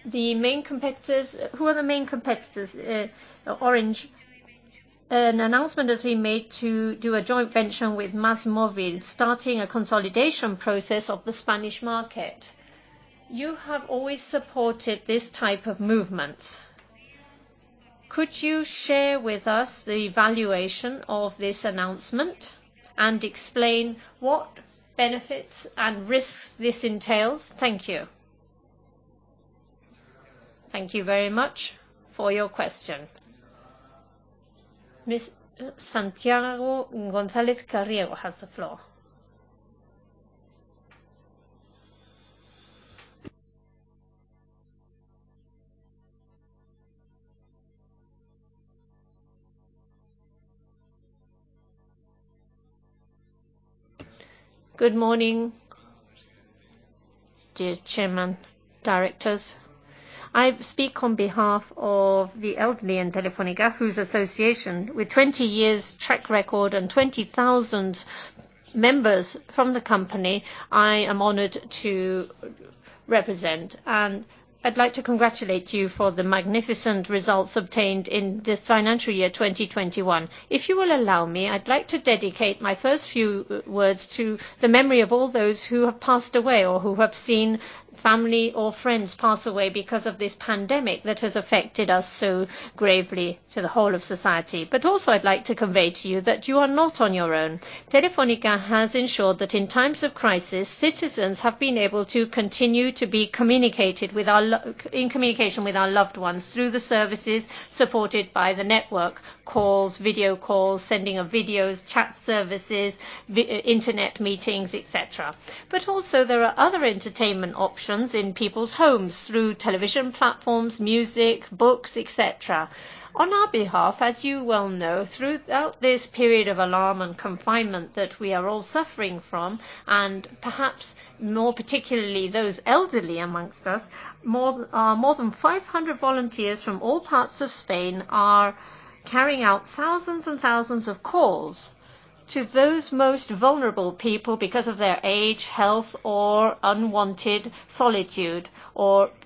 The main competitors. Who are the main competitors, Orange? An announcement has been made to do a joint venture with MásMóvil, starting a consolidation process of the Spanish market. You have always supported this type of movement. Could you share with us the evaluation of this announcement and explain what benefits and risks this entails? Thank you. Thank you very much for your question. Mr. Santiago González [Carrió] has the floor. Good morning, dear Chairman, Directors. I speak on behalf of the elderly in Telefónica, whose association with 20 years track record and 20,000 members from the company, I am honored to represent. I'd like to congratulate you for the magnificent results obtained in the financial year 2021. If you will allow me, I'd like to dedicate my first few words to the memory of all those who have passed away or who have seen family or friends pass away because of this pandemic that has affected us so gravely to the whole of society. I'd like to convey to you that you are not on your own. Telefónica has ensured that in times of crisis, citizens have been able to continue to be communicated with our, in communication with our loved ones through the services supported by the network, calls, video calls, sending of videos, chat services, internet meetings, et cetera. There are other entertainment options in people's homes through television platforms, music, books, et cetera. On our behalf, as you well know, throughout this period of alarm and confinement that we are all suffering from, and perhaps more particularly those elderly amongst us, more than 500 volunteers from all parts of Spain are carrying out thousands and thousands of calls to those most vulnerable people because of their age, health, or unwanted solitude or isolation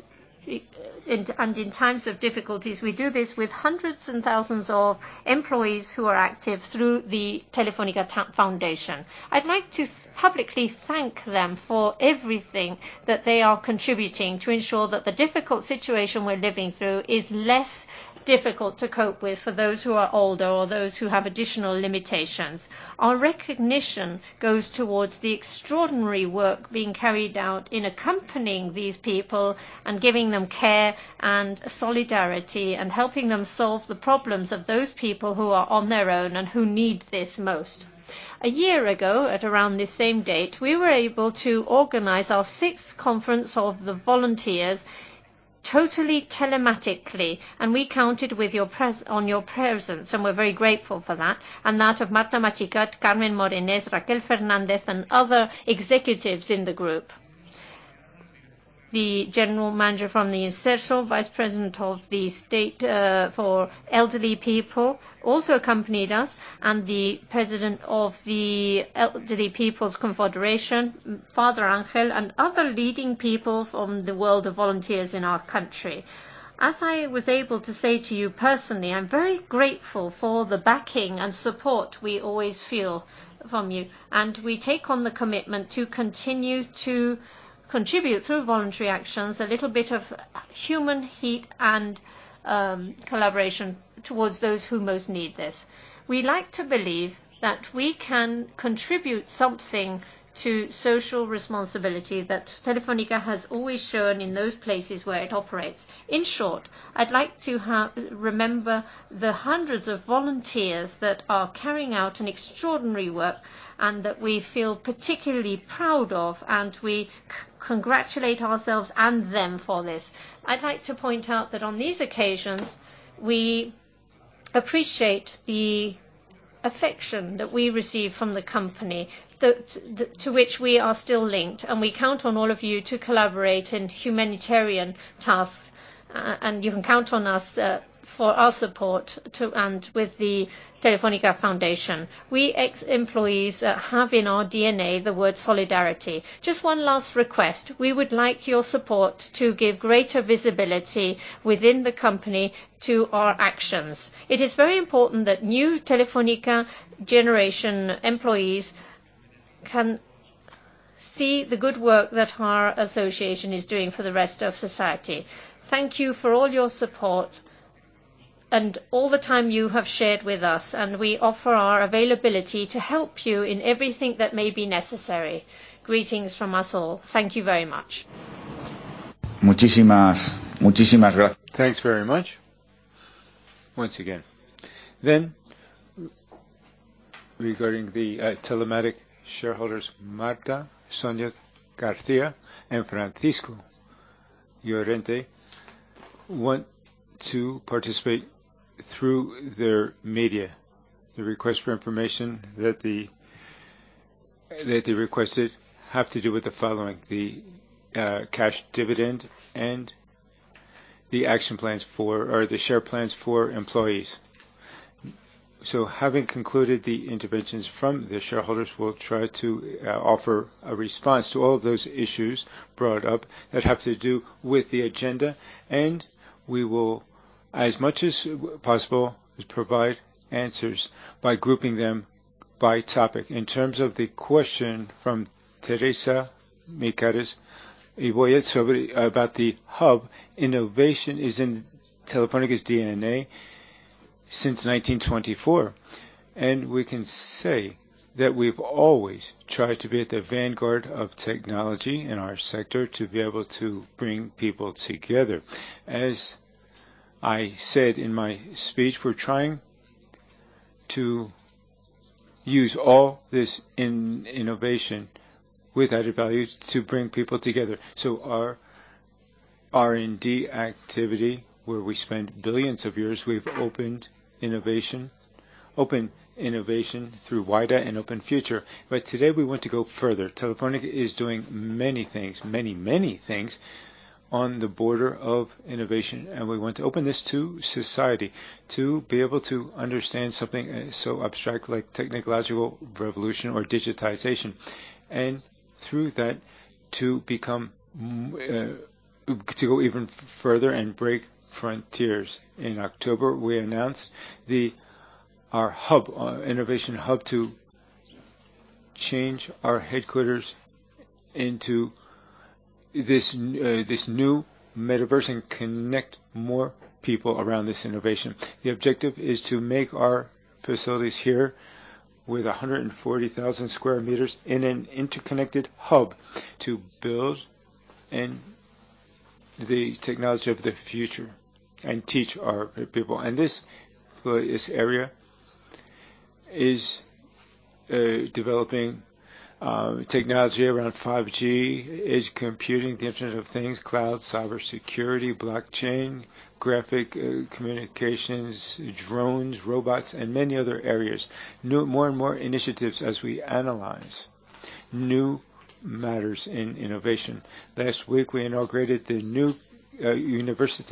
and, in times of difficulties. We do this with hundreds and thousands of employees who are active through the Telefónica Foundation. I'd like to publicly thank them for everything that they are contributing to ensure that the difficult situation we're living through is less difficult to cope with for those who are older or those who have additional limitations. Our recognition goes towards the extraordinary work being carried out in accompanying these people and giving them care and solidarity and helping them solve the problems of those people who are on their own and who need this most. A year ago, at around this same date, we were able to organize our sixth conference of the volunteers totally telematically, and we counted on your presence, and we're very grateful for that. That of Marta Machicot, Carmen Morenés, Raquel Fernández, and other executives in the group. The General Manager from the Instituto, Vice President of the State for Elderly People, also accompanied us, and the President of the Elderly People's Confederation, Father Angel, and other leading people from the world of volunteers in our country. As I was able to say to you personally, I'm very grateful for the backing and support we always feel from you, and we take on the commitment to continue to contribute through voluntary actions, a little bit of human heat and collaboration towards those who most need this. We like to believe that we can contribute something to social responsibility that Telefónica has always shown in those places where it operates. In short, I'd like to remember the hundreds of volunteers that are carrying out an extraordinary work and that we feel particularly proud of, and we congratulate ourselves and them for this. I'd like to point out that on these occasions, we appreciate the affection that we receive from the company, to which we are still linked, and we count on all of you to collaborate in humanitarian tasks, and you can count on us for our support and with the Telefónica Foundation. We ex-employees have in our DNA the word solidarity. Just one last request. We would like your support to give greater visibility within the company to our actions. It is very important that new Telefónica generation employees can see the good work that our association is doing for the rest of society. Thank you for all your support and all the time you have shared with us, and we offer our availability to help you in everything that may be necessary. Greetings from us all. Thank you very much. Muchísimas, muchísimas gracias. Thanks very much once again. Regarding the telematic shareholders, Marta, Sonia García, and Francisco Llorente want to participate through their media. The request for information that they requested have to do with the following, the cash dividend and the action plans for or the share plans for employees. Having concluded the interventions from the shareholders, we'll try to offer a response to all of those issues brought up that have to do with the agenda, and we will, as much as possible, provide answers by grouping them by topic. In terms of the question from [Teresa Becares] about the hub, innovation is in Telefónica's DNA since 1924, and we can say that we've always tried to be at the vanguard of technology in our sector to be able to bring people together. As I said in my speech, we're trying to use all this innovation with added value to bring people together. Our R&D activity, where we spend billions of euros, we've opened innovation, open innovation through Wayra and Open Future. Today, we want to go further. Telefónica is doing many things on the border of innovation, and we want to open this to society to be able to understand something so abstract like technological revolution or digitization, and through that, to go even further and break frontiers. In October, we announced our innovation hub to change our headquarters into this new Metaverse and connect more people around this innovation. The objective is to make our facilities here with 140,000 sq m in an interconnected hub to build in the technology of the future and teach our people. This area is developing technology around 5G, edge computing, the Internet of Things, cloud, cybersecurity, blockchain, graphic communications, drones, robots, and many other areas. More and more initiatives as we analyze new matters in innovation. Last week, we inaugurated the new university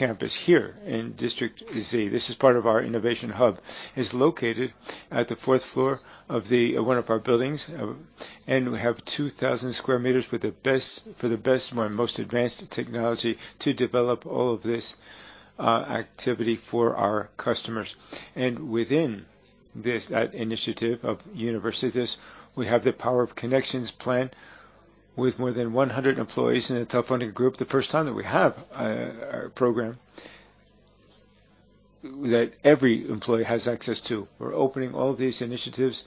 campus here in District Z. This is part of our innovation hub. It's located at the fourth floor of one of our buildings, and we have 2,000 sq m with the best, for the best and most advanced technology to develop all of this activity for our customers. Within this initiative of universities, we have the Power of Connections plan with more than 100 employees in the Telefónica group. The first time that we have a program that every employee has access to. We're opening all of these initiatives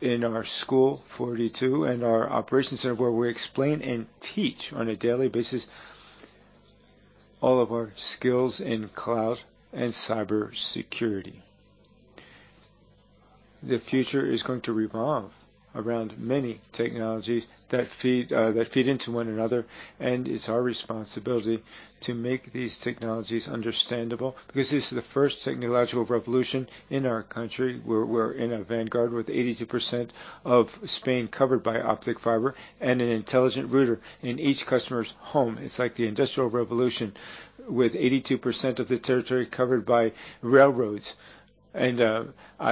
in our School 42 and our operation center where we explain and teach on a daily basis all of our skills in cloud and cybersecurity. The future is going to revolve around many technologies that feed into one another, and it's our responsibility to make these technologies understandable because this is the first technological revolution in our country. We're in a vanguard with 82% of Spain covered by optic fiber and an intelligent router in each customer's home. It's like the Industrial Revolution with 82% of the territory covered by railroads and a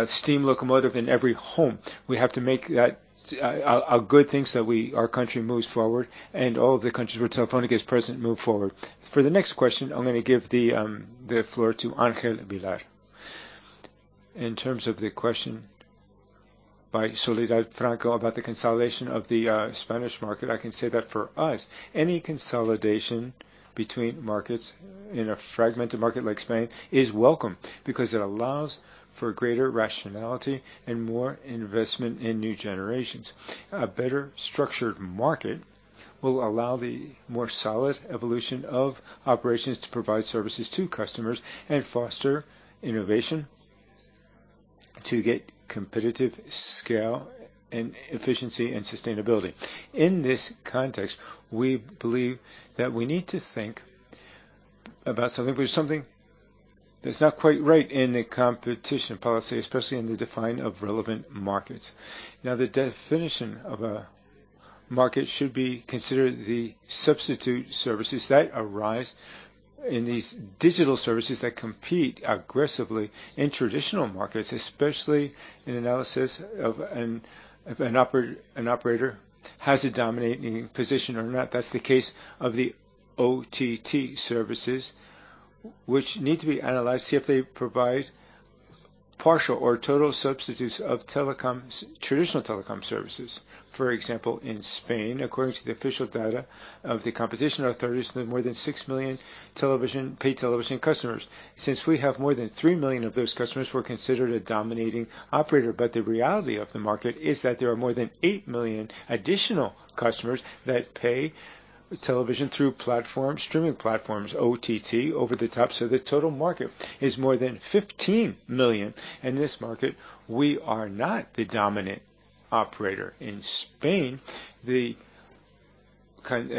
steam locomotive in every home. We have to make that a good thing so our country moves forward and all of the countries where Telefónica is present move forward. For the next question, I'm gonna give the floor to Ángel Vilá. In terms of the question by Soledad Franco about the consolidation of the Spanish market, I can say that for us, any consolidation between markets in a fragmented market like Spain is welcome because it allows for greater rationality and more investment in new generations. A better structured market will allow the more solid evolution of operations to provide services to customers and foster innovation to get competitive scale and efficiency and sustainability. In this context, we believe that we need to think about something, but something that's not quite right in the competition policy, especially in the definition of relevant markets. Now, the definition of a market should be considered the substitute services that arise in these digital services that compete aggressively in traditional markets, especially in analysis of, if an operator has a dominating position or not. That's the case of the OTT services, which need to be analyzed, see if they provide partial or total substitutes of telecoms, traditional telecom services. For example, in Spain, according to the official data of the competition authorities, there are more than six million television, paid television customers. Since we have more than three million of those customers, we're considered a dominating operator. The reality of the market is that there are more than eight million additional customers that pay television through platforms, streaming platforms, OTT, over-the-top. The total market is more than 15 million. In this market, we are not the dominant operator. In Spain, the kind,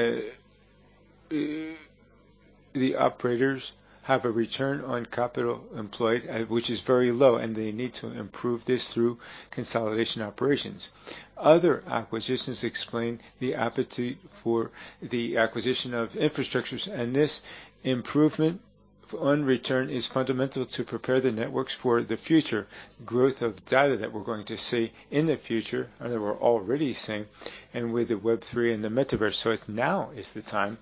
the operators have a return on capital employed, which is very low, and they need to improve this through consolidation operations. Other acquisitions explain the appetite for the acquisition of infrastructures, and this improvement on return is fundamental to prepare the networks for the future growth of data that we're going to see in the future, and that we're already seeing, and with the Web3 and the Metaverse. It's now is the time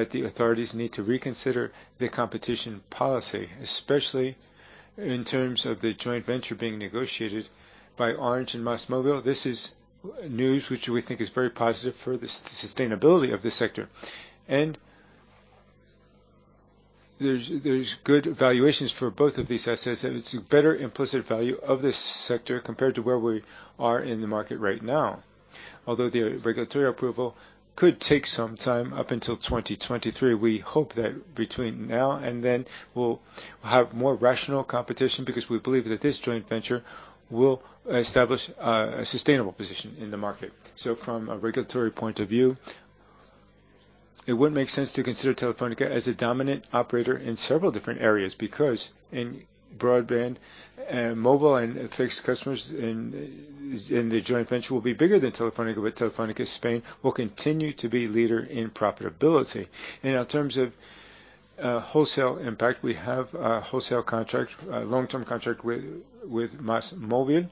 that the authorities need to reconsider the competition policy, especially in terms of the joint venture being negotiated by Orange and MásMóvil. This is news which we think is very positive for the sustainability of this sector. There's good valuations for both of these assets, and it's a better implicit value of this sector compared to where we are in the market right now. Although the regulatory approval could take some time, up until 2023, we hope that between now and then we'll have more rational competition because we believe that this joint venture will establish a sustainable position in the market. From a regulatory point of view, it wouldn't make sense to consider Telefónica as a dominant operator in several different areas, because in broadband and mobile and fixed customers in the joint venture will be bigger than Telefónica, but Telefónica Spain will continue to be leader in profitability. In terms of wholesale impact, we have a wholesale contract, a long-term contract with MásMóvil,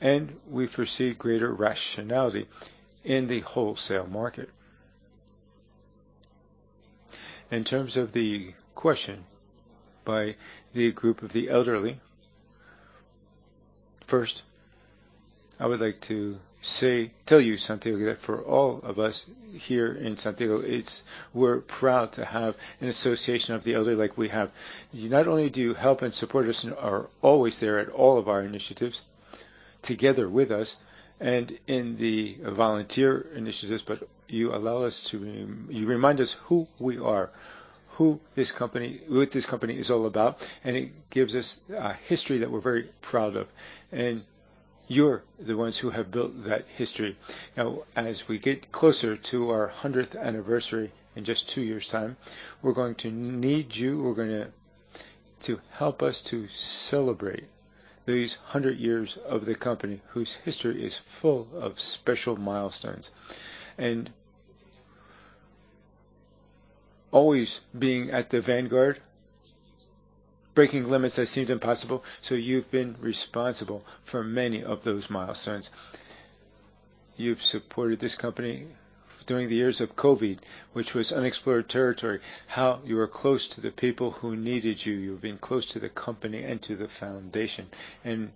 and we foresee greater rationality in the wholesale market. In terms of the question by the group of the elderly, first, I would like to say, tell you something that for all of us here in Santiago, we're proud to have an association of the elderly like we have. You not only help and support us and are always there at all of our initiatives together with us and in the volunteer initiatives, but you allow us to, you remind us who we are, who this company, what this company is all about, and it gives us a history that we're very proud of. You're the ones who have built that history. Now, as we get closer to our hundredth anniversary in just two years' time, we're going to need you to help us to celebrate these 100 years of the company, whose history is full of special milestones and always being at the vanguard, breaking limits that seemed impossible. You've been responsible for many of those milestones. You've supported this company during the years of COVID, which was unexplored territory. How you were close to the people who needed you. You've been close to the company and to the foundation and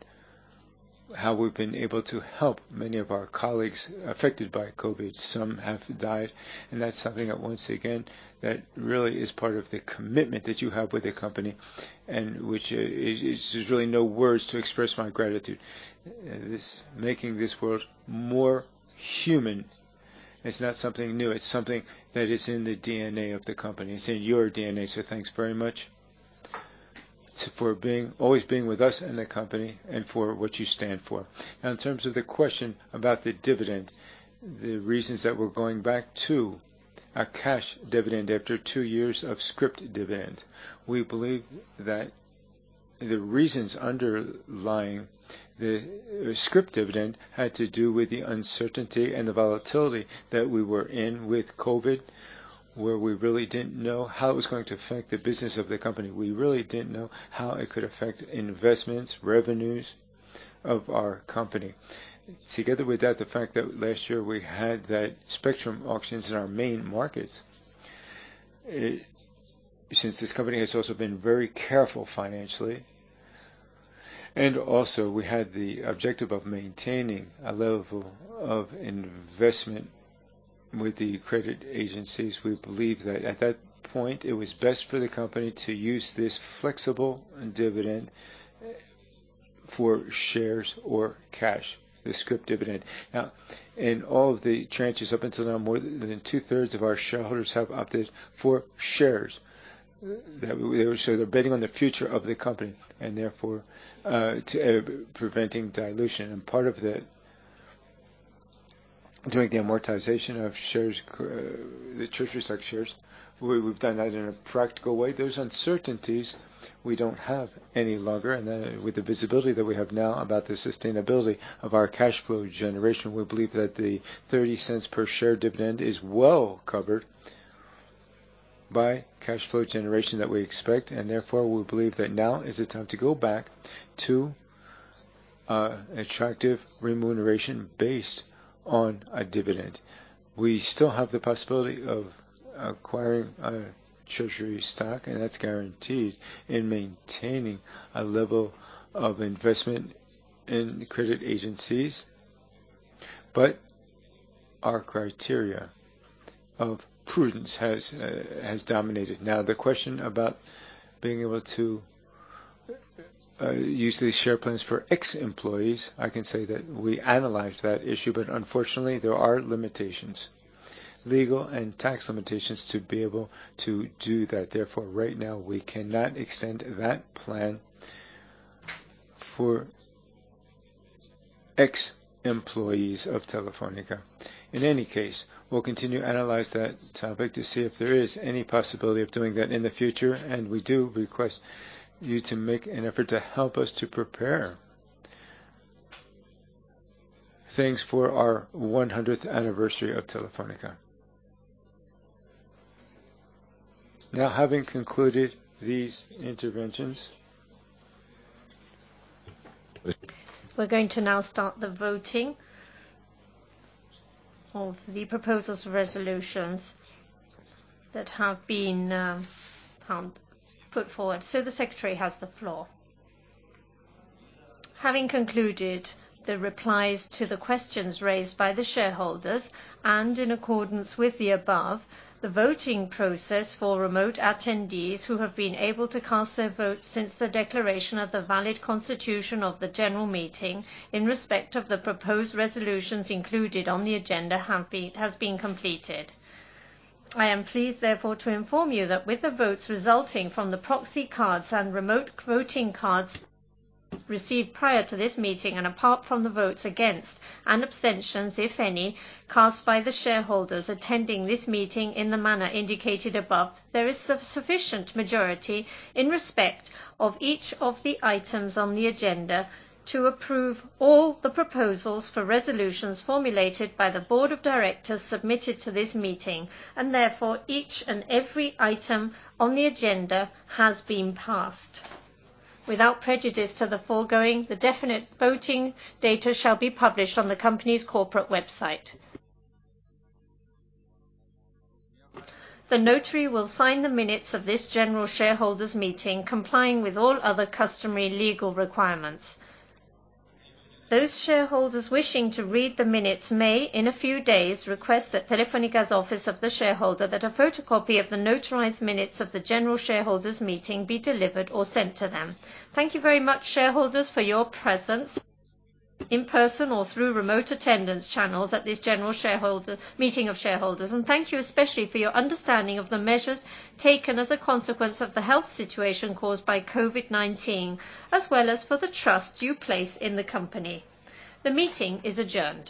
how we've been able to help many of our colleagues affected by COVID. Some have died, and that's something that, once again, really is part of the commitment that you have with the company, and which is just really no words to express my gratitude. This making this world more human, it's not something new. It's something that is in the DNA of the company. It's in your DNA. Thanks very much for always being with us and the company and for what you stand for. Now in terms of the question about the dividend, the reasons that we're going back to a cash dividend after two years of scrip dividend, we believe that the reasons underlying the scrip dividend had to do with the uncertainty and the volatility that we were in with COVID, where we really didn't know how it was going to affect the business of the company. We really didn't know how it could affect investments, revenues of our company. Together with that, the fact that last year we had that spectrum auctions in our main markets. Since this company has also been very careful financially, and also, we had the objective of maintaining a level of investment with the credit agencies, we believe that at that point it was best for the company to use this flexible dividend for shares or cash, the scrip dividend. Now, in all of the tranches up until now, more than two-thirds of our shareholders have opted for shares. So, they're betting on the future of the company and therefore to preventing dilution. Part of that, doing the amortization of shares, the treasury stock shares, we've done that in a practical way. Those uncertainties we don't have any longer. With the visibility that we have now about the sustainability of our cash flow generation, we believe that the 0.30 per share dividend is well covered by cash flow generation that we expect, and therefore, we believe that now is the time to go back to attractive remuneration based on a dividend. We still have the possibility of acquiring treasury stock, and that's guaranteed in maintaining a level of investment in credit agencies. Our criteria of prudence has dominated. Now, the question about being able to use these share plans for ex-employees, I can say that we analyzed that issue, but unfortunately, there are limitations, legal and tax limitations to be able to do that. Therefore, right now, we cannot extend that plan for ex-employees of Telefónica. In any case, we'll continue to analyze that topic to see if there is any possibility of doing that in the future. We do request you to make an effort to help us to prepare things for our one hundredth anniversary of Telefónica. Now, having concluded these interventions. We're going to now start the voting of the proposed resolutions that have been put forward. The secretary has the floor. Having concluded the replies to the questions raised by the shareholders and in accordance with the above, the voting process for remote attendees who have been able to cast their vote since the declaration of the valid constitution of the general meeting in respect of the proposed resolutions included on the agenda has been completed. I am pleased, therefore, to inform you that with the votes resulting from the proxy cards and remote voting cards received prior to this meeting, and apart from the votes against and abstentions, if any, cast by the shareholders attending this meeting in the manner indicated above, there is sufficient majority in respect of each of the items on the agenda to approve all the proposals for resolutions formulated by the board of directors submitted to this meeting, and therefore, each and every item on the agenda has been passed. Without prejudice to the foregoing, the definite voting data shall be published on the company's corporate website. The notary will sign the minutes of this general shareholders meeting, complying with all other customary legal requirements. Those shareholders wishing to read the minutes may, in a few days, request at Telefónica's Office of the Shareholder that a photocopy of the notarized minutes of the general shareholders meeting be delivered or sent to them. Thank you very much, shareholders, for your presence in person or through remote attendance channels at this general shareholders meeting. Thank you especially for your understanding of the measures taken as a consequence of the health situation caused by COVID-19, as well as for the trust you place in the company. The meeting is adjourned.